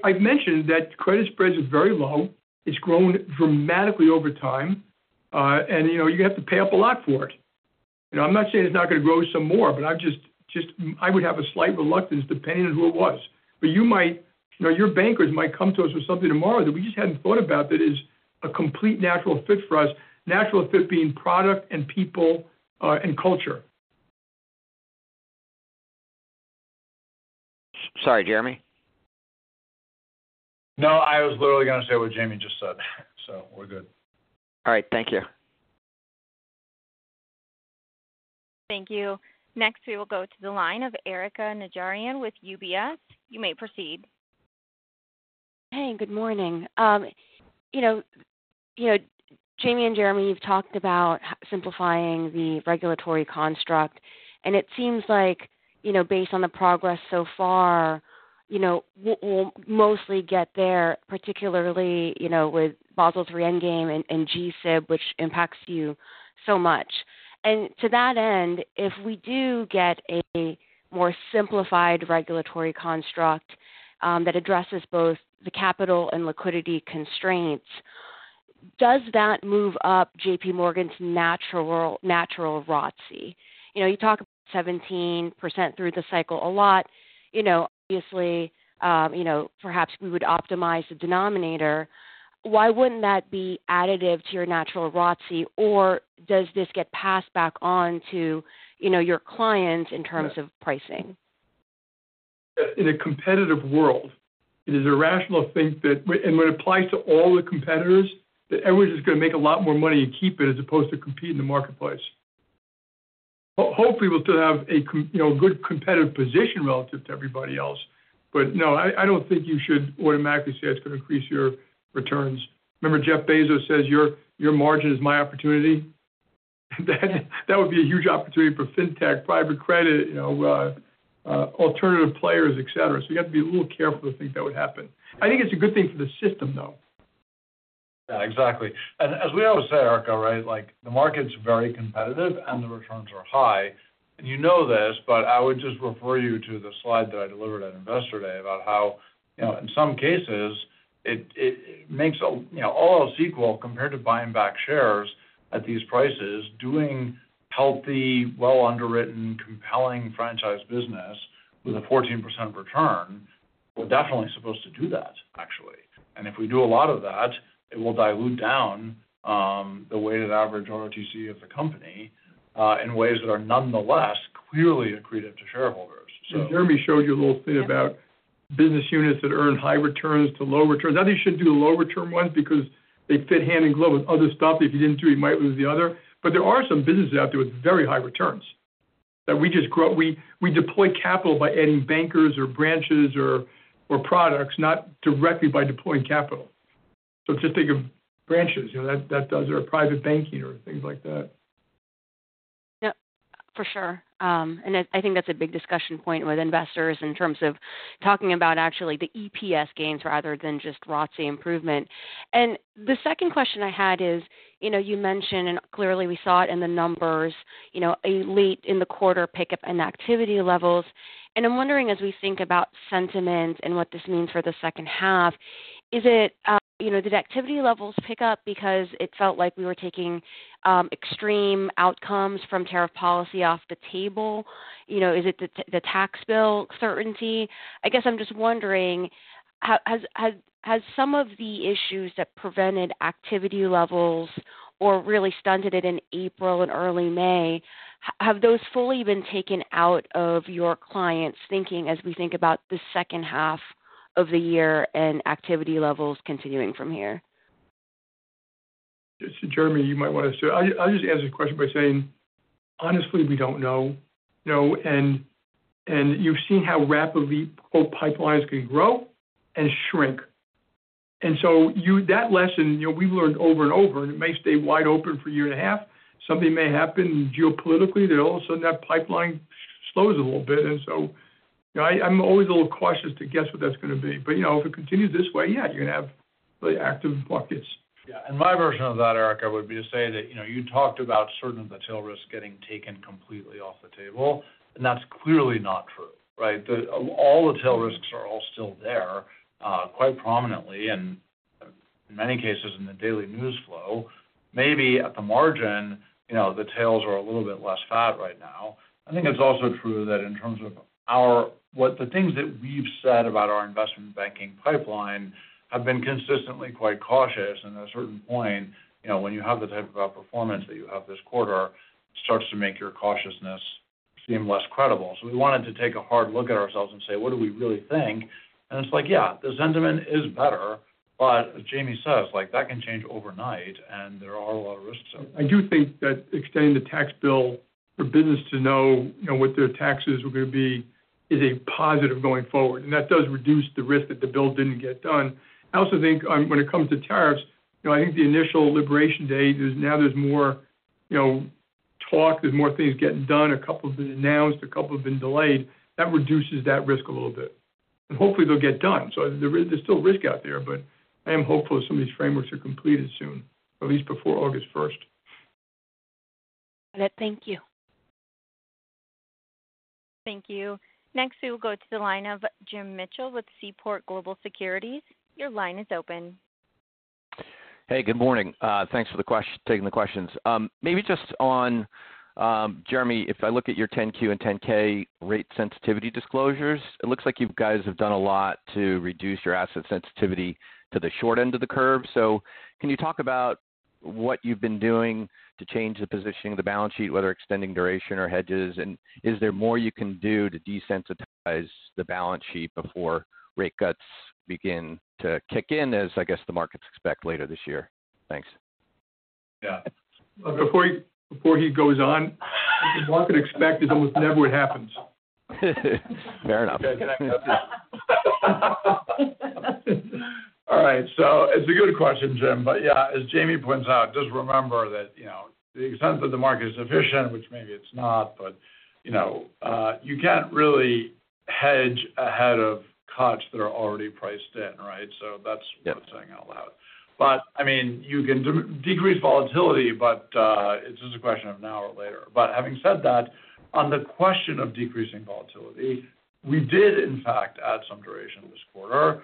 I've mentioned that credit spreads are very low. It's grown dramatically over time. You have to pay up a lot for it. I'm not saying it's not going to grow some more, but I would have a slight reluctance depending on who it was. Your bankers might come to us with something tomorrow that we just hadn't thought about that is a complete natural fit for us, natural fit being product and people and culture. Sorry, Jeremy. No, I was literally going to say what Jamie just said. So we're good. All right. Thank you. Thank you. Next, we will go to the line of Erika Najarian with UBS. You may proceed. Hey, good morning. Jamie and Jeremy, you've talked about simplifying the regulatory construct. It seems like, based on the progress so far, we'll mostly get there, particularly with Basel's Rewind Game and GSIB, which impacts you so much. To that end, if we do get a more simplified regulatory construct that addresses both the capital and liquidity constraints, does that move up JPMorgan's natural ROTCE? You talk about 17% through the cycle a lot. Obviously, perhaps we would optimize the denominator. Why wouldn't that be additive to your natural ROTCE? Does this get passed back on to your clients in terms of pricing? In a competitive world, it is irrational to think that, and when it applies to all the competitors, that everyone's just going to make a lot more money and keep it as opposed to compete in the marketplace. Hopefully, we'll still have a good competitive position relative to everybody else. No, I don't think you should automatically say it's going to increase your returns. Remember, Jeff Bezos says, "Your margin is my opportunity." That would be a huge opportunity for fintech, private credit, alternative players, et cetera. You have to be a little careful to think that would happen. I think it's a good thing for the system, though. Yeah. Exactly. As we always say, Erika, the market's very competitive and the returns are high. You know this, but I would just refer you to the slide that I delivered at Investor Day about how, in some cases, it makes all else equal compared to buying back shares at these prices. Doing healthy, well-underwritten, compelling franchise business with a 14% return, we're definitely supposed to do that, actually. If we do a lot of that, it will dilute down the weighted average ROTCE of the company in ways that are nonetheless clearly accretive to shareholders. Jeremy showed you a little thing about business units that earn high returns to low returns. I think you should do the lower return ones because they fit hand in glove with other stuff. If you did not do it, you might lose the other. There are some businesses out there with very high returns that we deploy capital by adding bankers or branches or products, not directly by deploying capital. Just think of branches. That does our private banking or things like that. Yep. For sure. I think that's a big discussion point with investors in terms of talking about actually the EPS gains rather than just ROTCE improvement. The second question I had is you mentioned, and clearly we saw it in the numbers, a late in the quarter pickup in activity levels. I'm wondering, as we think about sentiment and what this means for the second half, did activity levels pick up because it felt like we were taking extreme outcomes from tariff policy off the table? Is it the tax bill certainty? I guess I'm just wondering, have some of the issues that prevented activity levels or really stunted it in April and early May, have those fully been taken out of your clients' thinking as we think about the second half of the year and activity levels continuing from here? Jeremy, you might want to say, I'll just answer the question by saying, honestly, we don't know. You've seen how rapidly pipelines can grow and shrink. That lesson we've learned over and over, and it may stay wide open for a year and a half. Something may happen geopolitically that all of a sudden that pipeline slows a little bit. I'm always a little cautious to guess what that's going to be. If it continues this way, yeah, you're going to have really active markets. Yeah. My version of that, Erika, would be to say that you talked about certain of the tail risks getting taken completely off the table. That is clearly not true, right? All the tail risks are all still there quite prominently and in many cases in the daily news flow. Maybe at the margin, the tails are a little bit less fat right now. I think it is also true that in terms of the things that we have said about our investment banking pipeline have been consistently quite cautious. At a certain point, when you have the type of outperformance that you have this quarter, it starts to make your cautiousness seem less credible. We wanted to take a hard look at ourselves and say, "What do we really think?" It is like, yeah, the sentiment is better. As Jamie says, that can change overnight, and there are a lot of risks there. I do think that extending the tax bill for business to know what their taxes are going to be is a positive going forward. That does reduce the risk that the bill did not get done. I also think when it comes to tariffs, I think the initial liberation day, now there is more talk, there are more things getting done. A couple have been announced, a couple have been delayed. That reduces that risk a little bit. Hopefully, they will get done. There is still risk out there, but I am hopeful that some of these frameworks are completed soon, at least before August 1. Got it. Thank you. Thank you. Next, we will go to the line of Jim Mitchell with Seaport Global Securities. Your line is open. Hey, good morning. Thanks for taking the questions. Maybe just on Jeremy, if I look at your 10Q and 10K rate sensitivity disclosures, it looks like you guys have done a lot to reduce your asset sensitivity to the short end of the curve. Can you talk about what you've been doing to change the positioning of the balance sheet, whether extending duration or hedges? Is there more you can do to desensitize the balance sheet before rate cuts begin to kick in, as I guess the markets expect later this year? Thanks. Yeah. Before he goes on, the market expect is almost never what happens. Fair enough. All right. So it's a good question, Jim. But yeah, as Jamie points out, just remember that the extent of the market is sufficient, which maybe it's not, but you can't really hedge ahead of cuts that are already priced in, right? So that's what I'm saying out loud. But I mean, you can decrease volatility, but it's just a question of now or later. Having said that, on the question of decreasing volatility, we did, in fact, add some duration this quarter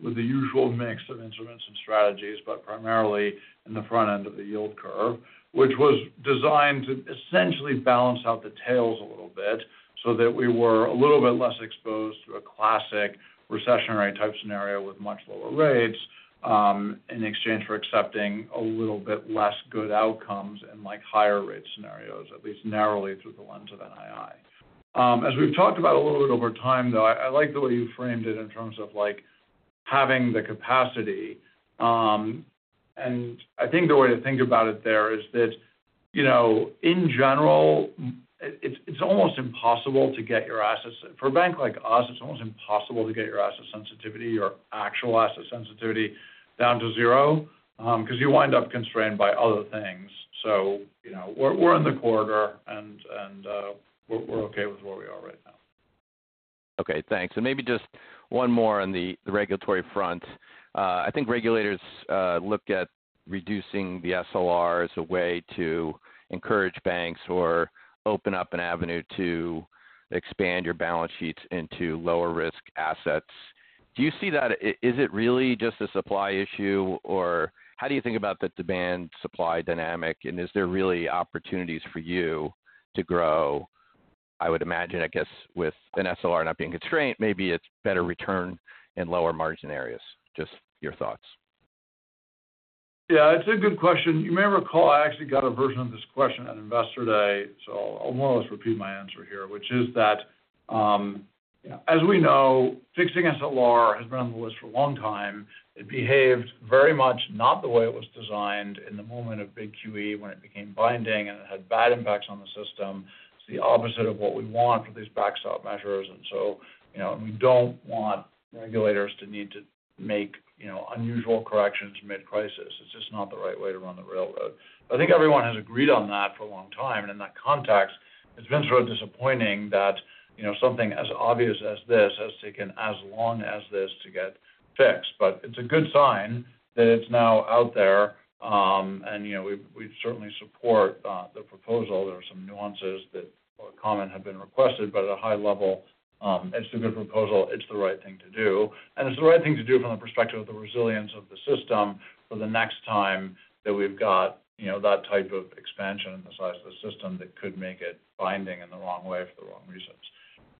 with the usual mix of instruments and strategies, but primarily in the front end of the yield curve, which was designed to essentially balance out the tails a little bit so that we were a little bit less exposed to a classic recessionary type scenario with much lower rates in exchange for accepting a little bit less good outcomes in higher rate scenarios, at least narrowly through the lens of NII. As we've talked about a little bit over time, though, I like the way you framed it in terms of having the capacity. I think the way to think about it there is that, in general, it's almost impossible to get your assets for a bank like us, it's almost impossible to get your asset sensitivity, your actual asset sensitivity down to zero because you wind up constrained by other things. We are in the quarter, and we're okay with where we are right now. Okay. Thanks. Maybe just one more on the regulatory front. I think regulators look at reducing the SLR as a way to encourage banks or open up an avenue to expand your balance sheets into lower-risk assets. Do you see that? Is it really just a supply issue, or how do you think about the demand-supply dynamic? Is there really opportunities for you to grow? I would imagine, I guess, with an SLR not being constrained, maybe it's better return in lower margin areas. Just your thoughts. Yeah. It's a good question. You may recall I actually got a version of this question at Investor Day. I'll more or less repeat my answer here, which is that, as we know, fixing SLR has been on the list for a long time. It behaved very much not the way it was designed in the moment of big QE when it became binding, and it had bad impacts on the system. It's the opposite of what we want for these backstop measures. We don't want regulators to need to make unusual corrections mid-crisis. It's just not the right way to run the railroad. I think everyone has agreed on that for a long time. In that context, it's been sort of disappointing that something as obvious as this has taken as long as this to get fixed. It is a good sign that it is now out there. We certainly support the proposal. There are some nuances that are common, have been requested, but at a high level, it is a good proposal. It is the right thing to do. It is the right thing to do from the perspective of the resilience of the system for the next time that we have got that type of expansion in the size of the system that could make it binding in the wrong way for the wrong reasons.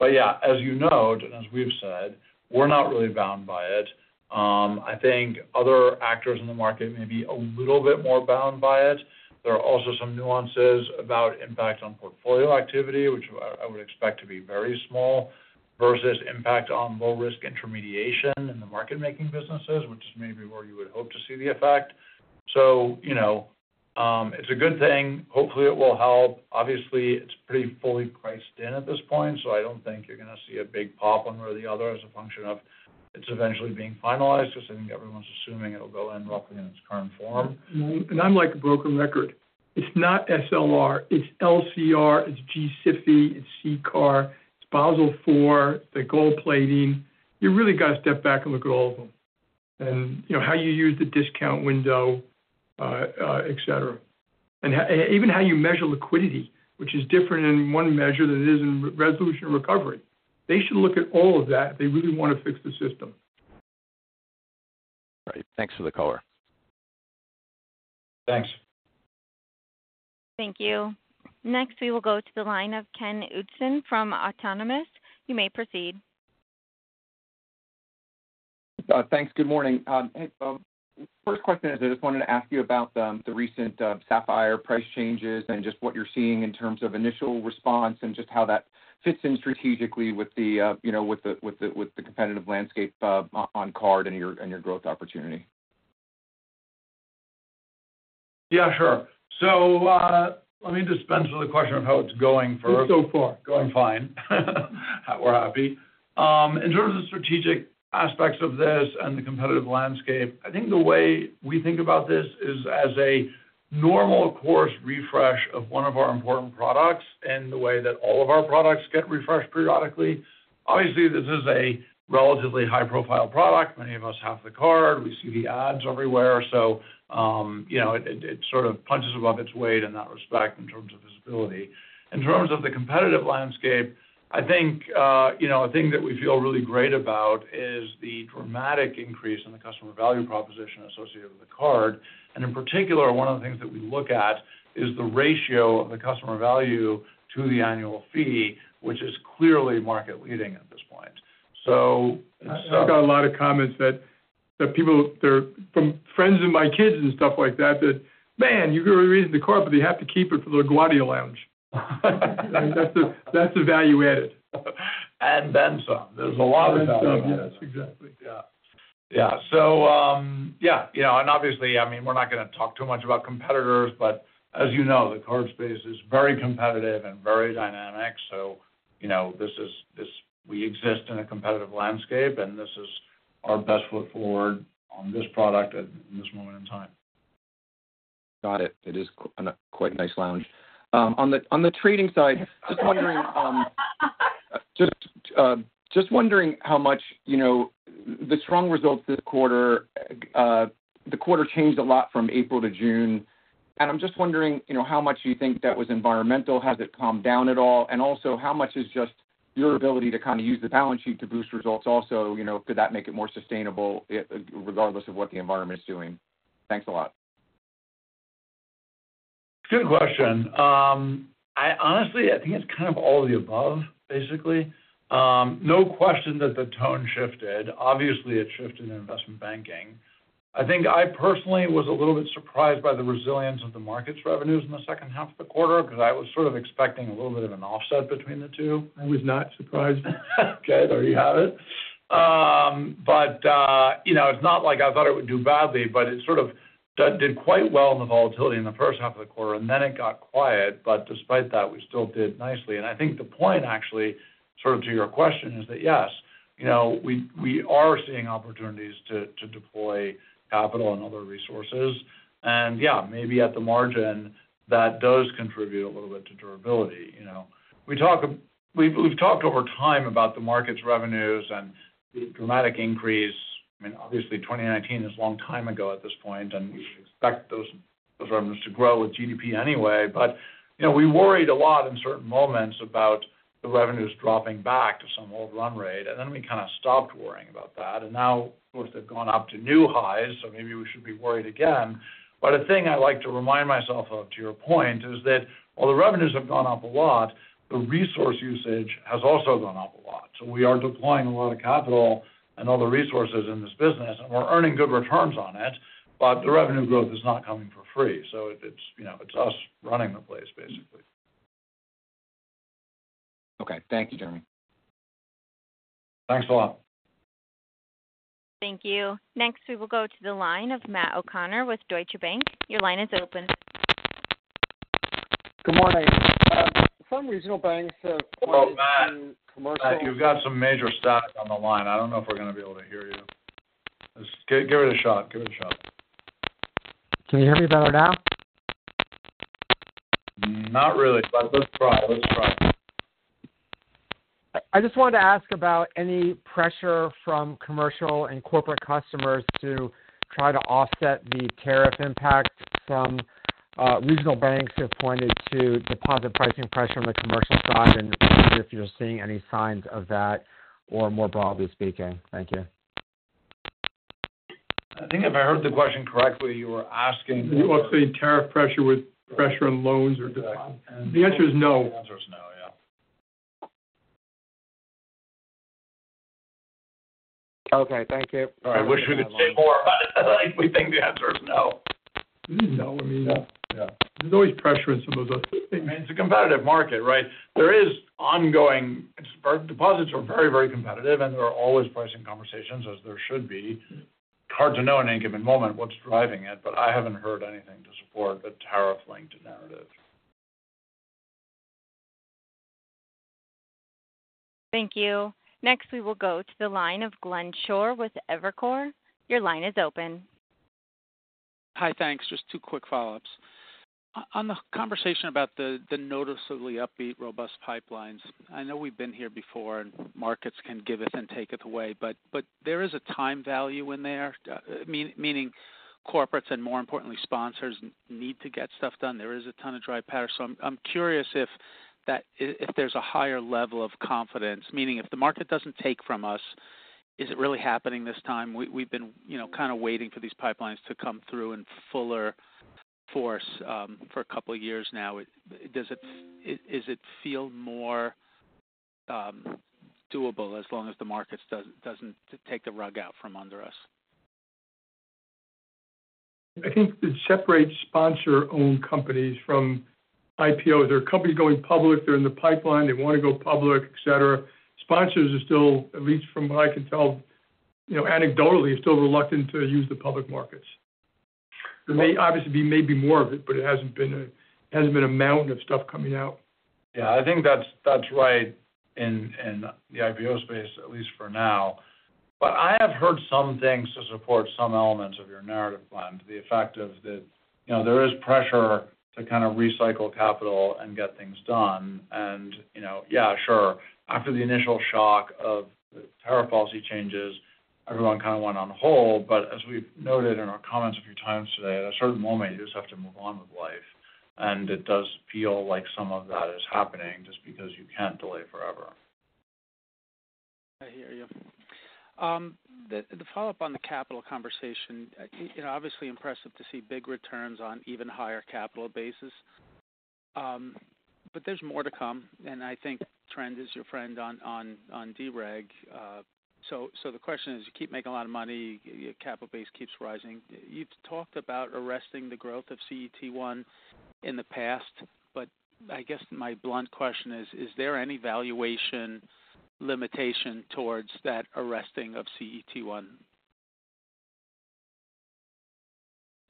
Yeah, as you noted and as we have said, we are not really bound by it. I think other actors in the market may be a little bit more bound by it. There are also some nuances about impact on portfolio activity, which I would expect to be very small, versus impact on low-risk intermediation in the market-making businesses, which is maybe where you would hope to see the effect. It is a good thing. Hopefully, it will help. Obviously, it is pretty fully priced in at this point. I do not think you are going to see a big pop one way or the other as a function of its eventually being finalized because I think everyone is assuming it will go in roughly in its current form. I'm like a broken record. It's not SLR. It's LCR. It's GSIB. It's CCAR. It's Basel IV. It's the gold plating. You really got to step back and look at all of them. And how you use the discount window, et cetera, and even how you measure liquidity, which is different in one measure than it is in resolution and recovery. They should look at all of that if they really want to fix the system. Right. Thanks for the color. Thanks. Thank you. Next, we will go to the line of Ken Leon from Autonomous. You may proceed. Thanks. Good morning. First question is I just wanted to ask you about the recent Sapphire price changes and just what you're seeing in terms of initial response and just how that fits in strategically with the competitive landscape on card and your growth opportunity. Yeah, sure. Let me just answer the question of how it's going for us. So far, going fine. We're happy. In terms of the strategic aspects of this and the competitive landscape, I think the way we think about this is as a normal course refresh of one of our important products and the way that all of our products get refreshed periodically. Obviously, this is a relatively high-profile product. Many of us have the card. We see the ads everywhere. It sort of punches above its weight in that respect in terms of visibility. In terms of the competitive landscape, I think a thing that we feel really great about is the dramatic increase in the customer value proposition associated with the card. In particular, one of the things that we look at is the ratio of the customer value to the annual fee, which is clearly market-leading at this point. I've got a lot of comments that people from friends of my kids and stuff like that that, "Man, you've already raised the card, but they have to keep it for their guaio lounge." That's the value added. Yes, exactly. Yeah. Yeah. Obviously, I mean, we're not going to talk too much about competitors, but as you know, the card space is very competitive and very dynamic. We exist in a competitive landscape, and this is our best foot forward on this product at this moment in time. Got it. It is quite a nice lounge. On the trading side, just wondering how much the strong results this quarter, the quarter changed a lot from April to June. I am just wondering how much you think that was environmental. Has it calmed down at all? Also, how much is just your ability to kind of use the balance sheet to boost results also? Could that make it more sustainable regardless of what the environment is doing? Thanks a lot. Good question. Honestly, I think it's kind of all of the above, basically. No question that the tone shifted. Obviously, it shifted in investment banking. I think I personally was a little bit surprised by the resilience of the market's revenues in the second half of the quarter because I was sort of expecting a little bit of an offset between the two. I was not surprised. Okay. There you have it. It is not like I thought it would do badly, but it sort of did quite well in the volatility in the first half of the quarter, and then it got quiet. Despite that, we still did nicely. I think the point, actually, sort of to your question is that, yes, we are seeing opportunities to deploy capital and other resources. Yeah, maybe at the margin, that does contribute a little bit to durability. We have talked over time about the market's revenues and the dramatic increase. I mean, obviously, 2019 is a long time ago at this point, and we expect those revenues to grow with GDP anyway. We worried a lot in certain moments about the revenues dropping back to some old run rate. We kind of stopped worrying about that. Of course, they've gone up to new highs, so maybe we should be worried again. A thing I like to remind myself of, to your point, is that while the revenues have gone up a lot, the resource usage has also gone up a lot. We are deploying a lot of capital and other resources in this business, and we're earning good returns on it, but the revenue growth is not coming for free. It's us running the place, basically. Okay. Thank you, Jeremy. Thanks a lot. Thank you. Next, we will go to the line of Matt O'Connor with Deutsche Bank. Your line is open. Good morning. Some regional banks have come in. Well, Matt you've got some major stock on the line. I don't know if we're going to be able to hear you. Give it a shot. Give it a shot. Can you hear me better now? Not really, but let's try. Let's try. I just wanted to ask about any pressure from commercial and corporate customers to try to offset the tariff impact. Some regional banks have pointed to deposit pricing pressure on the commercial side and wonder if you're seeing any signs of that or more broadly speaking. Thank you. I think if I heard the question correctly, you were asking. You were saying tariff pressure with pressure on loans or deposits. The answer is no. The answer is no, yeah. Okay. Thank you. I wish we could say more, but we think the answer is no. No, I mean, there's always pressure in some of those other things. I mean, it's a competitive market, right? There is ongoing deposits are very, very competitive, and there are always pricing conversations, as there should be. It's hard to know in any given moment what's driving it, but I haven't heard anything to support the tariff-linked narrative. Thank you. Next, we will go to the line of Glenn Schorr with Evercore. Your line is open. Hi, thanks. Just two quick follow-ups. On the conversation about the noticeably upbeat robust pipelines, I know we've been here before, and markets can give it and take it away, but there is a time value in there, meaning corporates and, more importantly, sponsors need to get stuff done. There is a ton of dry powder. So I'm curious if there's a higher level of confidence, meaning if the market doesn't take from us, is it really happening this time? We've been kind of waiting for these pipelines to come through in fuller force for a couple of years now. Does it feel more doable as long as the market doesn't take the rug out from under us? I think it separates sponsor-owned companies from IPOs. They're companies going public. They're in the pipeline. They want to go public, et cetera. Sponsors are still, at least from what I can tell, anecdotally, still reluctant to use the public markets. There may obviously be maybe more of it, but it hasn't been a mountain of stuff coming out. Yeah. I think that's right in the IPO space, at least for now. I have heard some things to support some elements of your narrative plan, the effect of that there is pressure to kind of recycle capital and get things done. Yeah, sure. After the initial shock of the tariff policy changes, everyone kind of went on hold. As we've noted in our comments a few times today, at a certain moment, you just have to move on with life. It does feel like some of that is happening just because you can't delay forever. I hear you. The follow-up on the capital conversation, obviously impressive to see big returns on even higher capital bases. There's more to come. I think trend is your friend on DREG. The question is, you keep making a lot of money. Your capital base keeps rising. You've talked about arresting the growth of CET1 in the past, but I guess my blunt question is, is there any valuation limitation towards that arresting of CET1?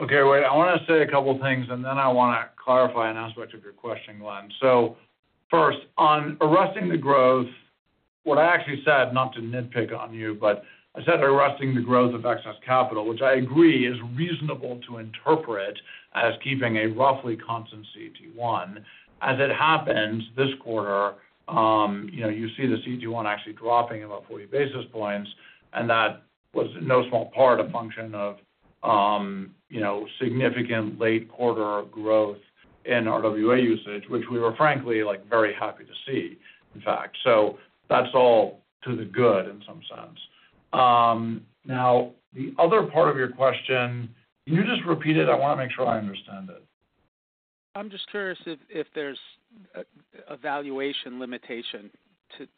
Okay. Wait. I want to say a couple of things, and then I want to clarify an aspect of your question, Glenn. First, on arresting the growth, what I actually said, not to nitpick on you, but I said arresting the growth of excess capital, which I agree is reasonable to interpret as keeping a roughly constant CET1. As it happened this quarter, you see the CET1 actually dropping about 40 basis points, and that was in no small part a function of significant late quarter growth in RWA usage, which we were frankly very happy to see, in fact. That is all to the good in some sense. Now, the other part of your question, can you just repeat it? I want to make sure I understand it. I'm just curious if there's a valuation limitation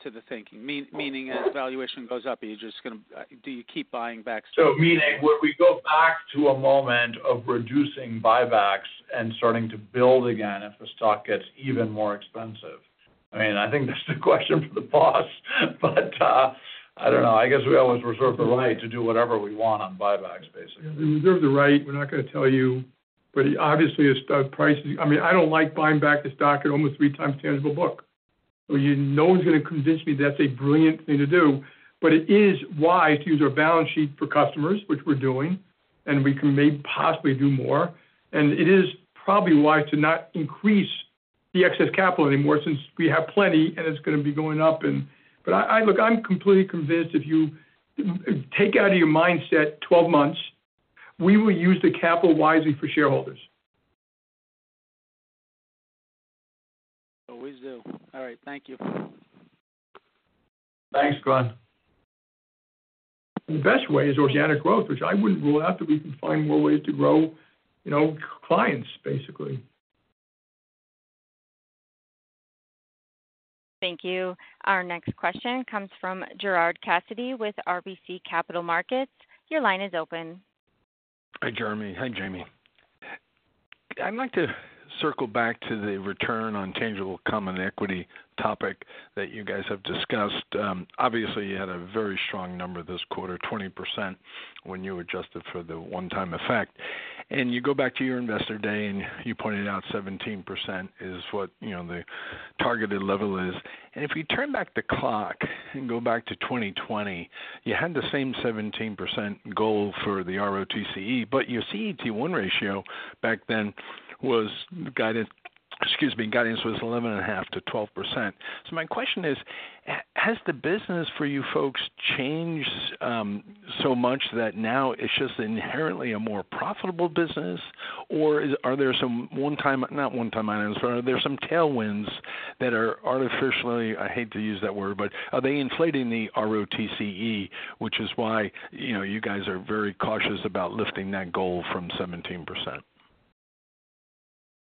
to the thinking, meaning as valuation goes up, are you just going to do you keep buying back? Meaning would we go back to a moment of reducing buybacks and starting to build again if the stock gets even more expensive? I mean, I think that's the question for the boss, but I don't know. I guess we always reserve the right to do whatever we want on buybacks, basically. We reserve the right. We're not going to tell you. Obviously, it's stuck pricing. I mean, I don't like buying back the stock at almost three times tangible book. No one's going to convince me that's a brilliant thing to do, but it is wise to use our balance sheet for customers, which we're doing, and we can maybe possibly do more. It is probably wise to not increase the excess capital anymore since we have plenty, and it's going to be going up. Look, I'm completely convinced if you take out of your mindset 12 months, we will use the capital wisely for shareholders. Always do. All right. Thank you. Thanks, Glenn. The best way is organic growth, which I wouldn't rule out that we can find more ways to grow clients, basically. Thank you. Our next question comes from Gerard Cassidy with RBC Capital Markets. Your line is open. Hi, Jeremy. Hi, Jamie. I'd like to circle back to the return on tangible common equity topic that you guys have discussed. Obviously, you had a very strong number this quarter, 20% when you adjusted for the one-time effect. You go back to your investor day, and you pointed out 17% is what the targeted level is. If we turn back the clock and go back to 2020, you had the same 17% goal for the ROTCE, but your CET1 ratio back then was guidance, excuse me, guidance was 11.5%-12%. My question is, has the business for you folks changed so much that now it's just inherently a more profitable business, or are there some one-time—not one-time items, but are there some tailwinds that are artificially—I hate to use that word, but are they inflating the ROTCE, which is why you guys are very cautious about lifting that goal from 17%?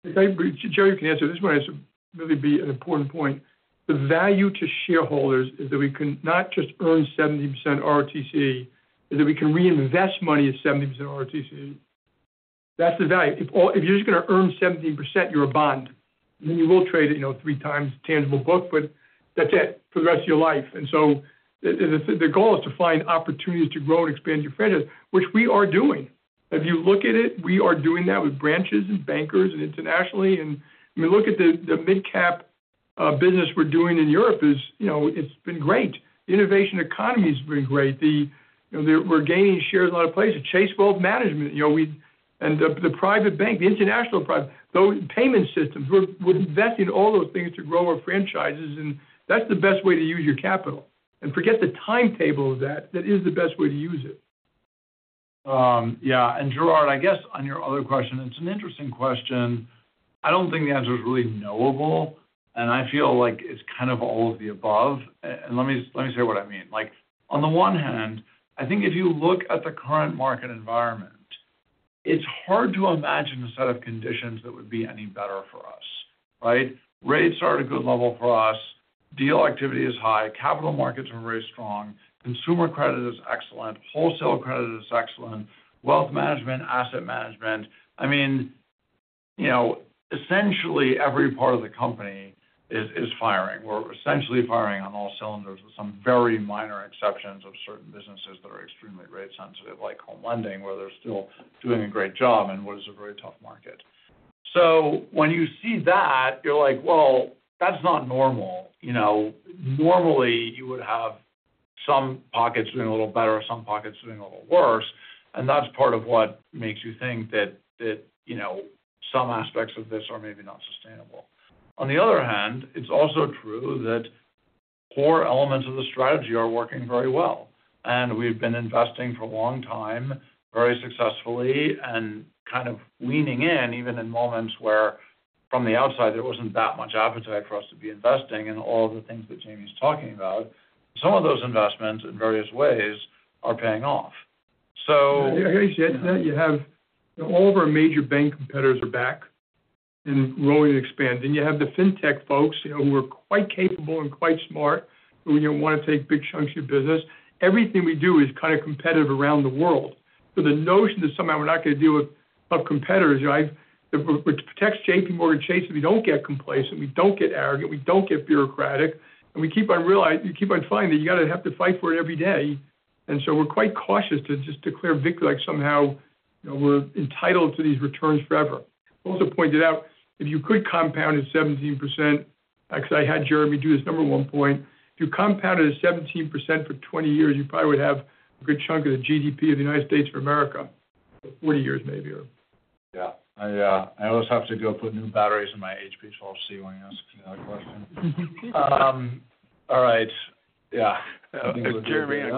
Jeremy, if you can answer this, it might really be an important point. The value to shareholders is that we can not just earn 17% ROTCE, it is that we can reinvest money at 17% ROTCE. That's the value. If you're just going to earn 17%, you're a bond. You will trade at three times tangible book, but that's it for the rest of your life. The goal is to find opportunities to grow and expand your franchise, which we are doing. If you look at it, we are doing that with branches and bankers and internationally. When we look at the mid-cap business we're doing in Europe, it's been great. The innovation economy has been great. We're gaining shares in a lot of places. Chase Wealth Management and the private bank, the international private payment systems. We're investing in all those things to grow our franchises, and that's the best way to use your capital. Forget the timetable of that. That is the best way to use it. Yeah. Gerard, I guess on your other question, it's an interesting question. I don't think the answer is really knowable, and I feel like it's kind of all of the above. Let me say what I mean. On the one hand, I think if you look at the current market environment, it's hard to imagine a set of conditions that would be any better for us, right? Rates are at a good level for us. Deal activity is high. Capital markets are very strong. Consumer credit is excellent. Wholesale credit is excellent. Wealth management, asset management. I mean, essentially, every part of the company is firing. We're essentially firing on all cylinders with some very minor exceptions of certain businesses that are extremely rate-sensitive, like home lending, where they're still doing a great job in what is a very tough market. When you see that, you're like, "Well, that's not normal." Normally, you would have some pockets doing a little better, some pockets doing a little worse, and that's part of what makes you think that some aspects of this are maybe not sustainable. On the other hand, it's also true that core elements of the strategy are working very well. We've been investing for a long time, very successfully, and kind of leaning in even in moments where from the outside, there wasn't that much appetite for us to be investing in all of the things that Jamie's talking about. Some of those investments in various ways are paying off. I got to say that you have all of our major bank competitors are back and growing and expanding. You have the fintech folks who are quite capable and quite smart who want to take big chunks of your business. Everything we do is kind of competitive around the world. The notion that somehow we're not going to deal with competitors, which protects JPMorgan Chase if we don't get complacent, we don't get arrogant, we don't get bureaucratic, and we keep on finding that you got to have to fight for it every day. We are quite cautious to just declare victory like somehow we're entitled to these returns forever. I also pointed out, if you could compound at 17%, because I had Jeremy do this number one point, if you compounded at 17% for 20 years, you probably would have a good chunk of the GDP of the United States of America for 40 years, maybe. Yeah. I always have to go put new batteries in my HP12C when you ask me that question. All right. Yeah. Jeremy,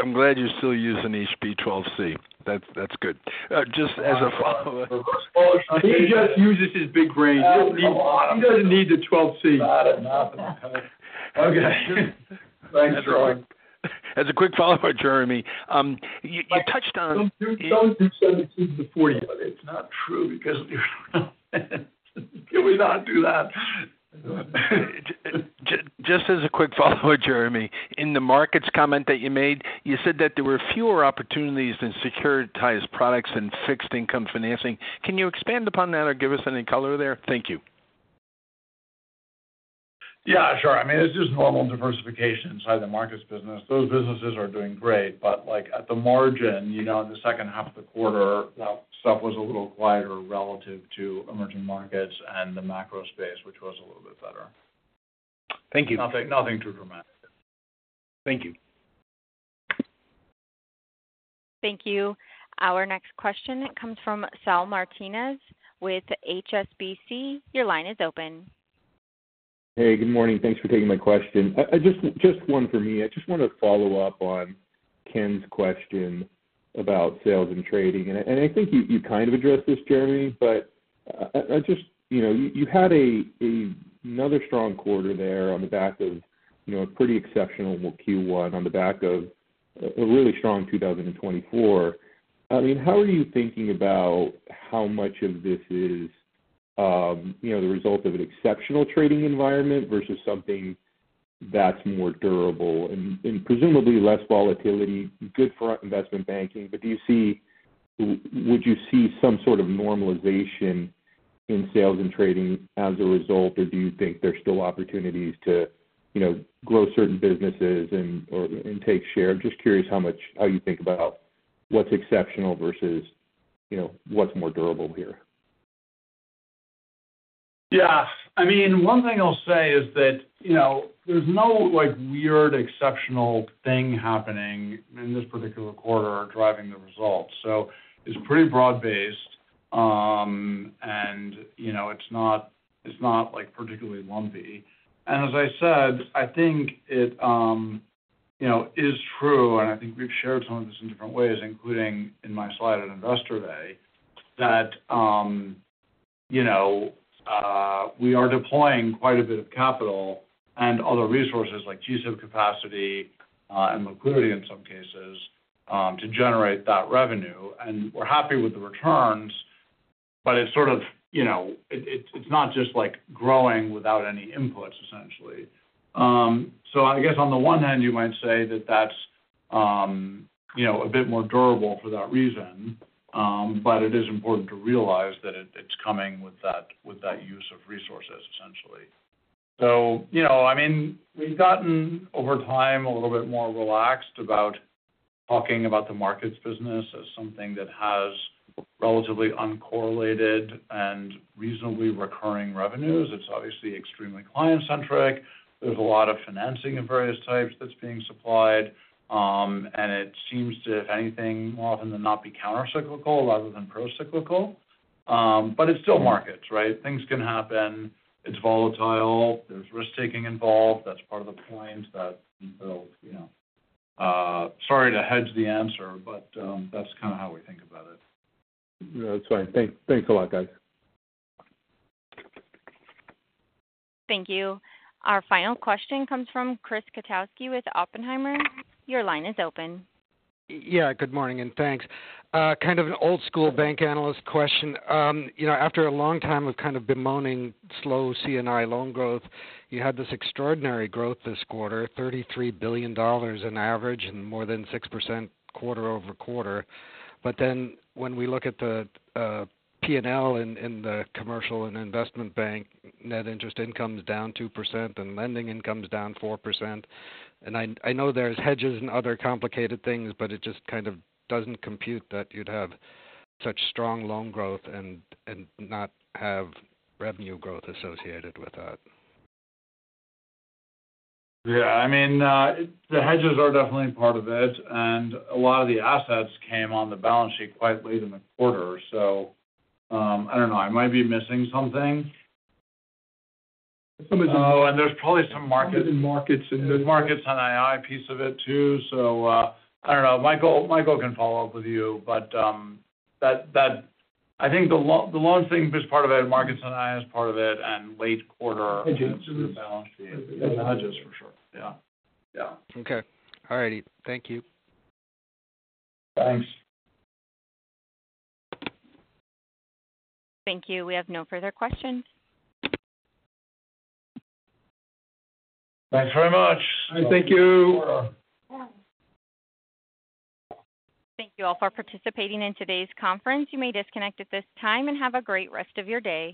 I'm glad you're still using HP12C. That's good. Just as a follow-up. He just uses his big brain. He doesn't need the 12C. Okay. Thanks, Jeremy. As a quick follow-up, Jeremy, you touched on. Don't do 17% before you do it. It's not true because you're not going to do that. Just as a quick follow-up, Jeremy, in the markets comment that you made, you said that there were fewer opportunities in securitized products and fixed income financing. Can you expand upon that or give us any color there? Thank you. Yeah, sure. I mean, it's just normal diversification inside the markets business. Those businesses are doing great, but at the margin in the second half of the quarter, that stuff was a little quieter relative to emerging markets and the macro space, which was a little bit better. Thank you. Nothing too dramatic. Thank you. Thank you. Our next question, it comes from Saul Martinez with HSBC. Your line is open. Hey, good morning. Thanks for taking my question. Just one for me. I just want to follow up on Ken's question about sales and trading. I think you kind of addressed this, Jeremy, but you had another strong quarter there on the back of a pretty exceptional Q1, on the back of a really strong 2024. I mean, how are you thinking about how much of this is the result of an exceptional trading environment versus something that's more durable and presumably less volatility, good for investment banking? Would you see some sort of normalization in sales and trading as a result, or do you think there's still opportunities to grow certain businesses and take share? I'm just curious how you think about what's exceptional versus what's more durable here. Yeah. I mean, one thing I'll say is that there's no weird exceptional thing happening in this particular quarter driving the results. It's pretty broad-based, and it's not particularly lumpy. As I said, I think it is true, and I think we've shared some of this in different ways, including in my slide at Investor Day, that we are deploying quite a bit of capital and other resources like GCIP capacity and liquidity in some cases to generate that revenue. We're happy with the returns, but it's sort of it's not just like growing without any inputs, essentially. I guess on the one hand, you might say that that's a bit more durable for that reason, but it is important to realize that it's coming with that use of resources, essentially. I mean, we've gotten over time a little bit more relaxed about talking about the markets business as something that has relatively uncorrelated and reasonably recurring revenues. It's obviously extremely client-centric. There's a lot of financing of various types that's being supplied, and it seems to, if anything, more often than not be countercyclical rather than procyclical. It's still markets, right? Things can happen. It's volatile. There's risk-taking involved. That's part of the point that we built. Sorry to hedge the answer, but that's kind of how we think about it. That's fine. Thanks a lot, guys. Thank you. Our final question comes from Chris Kotowski with Oppenheimer. Your line is open. Yeah. Good morning and thanks. Kind of an old-school bank analyst question. After a long time of kind of bemoaning slow C&I loan growth, you had this extraordinary growth this quarter, $33 billion in average and more than 6% quarter-over-quarter. When we look at the P&L in the commercial and investment bank, net interest income is down 2% and lending income is down 4%. I know there's hedges and other complicated things, but it just kind of doesn't compute that you'd have such strong loan growth and not have revenue growth associated with that. Yeah. I mean, the hedges are definitely part of it, and a lot of the assets came on the balance sheet quite late in the quarter. I don't know. I might be missing something. Oh, and there's probably some markets. Markets and NII piece of it too. I do not know. Michael can follow up with you, but I think the loan thing is part of it, markets and NII is part of it, and late quarter balance sheet. Hedges. Hedges for sure. Yeah. Yeah. Okay. All righty. Thank you. Thanks. Thank you. We have no further questions. Thanks very much. Thank you. Thank you all for participating in today's conference. You may disconnect at this time and have a great rest of your day.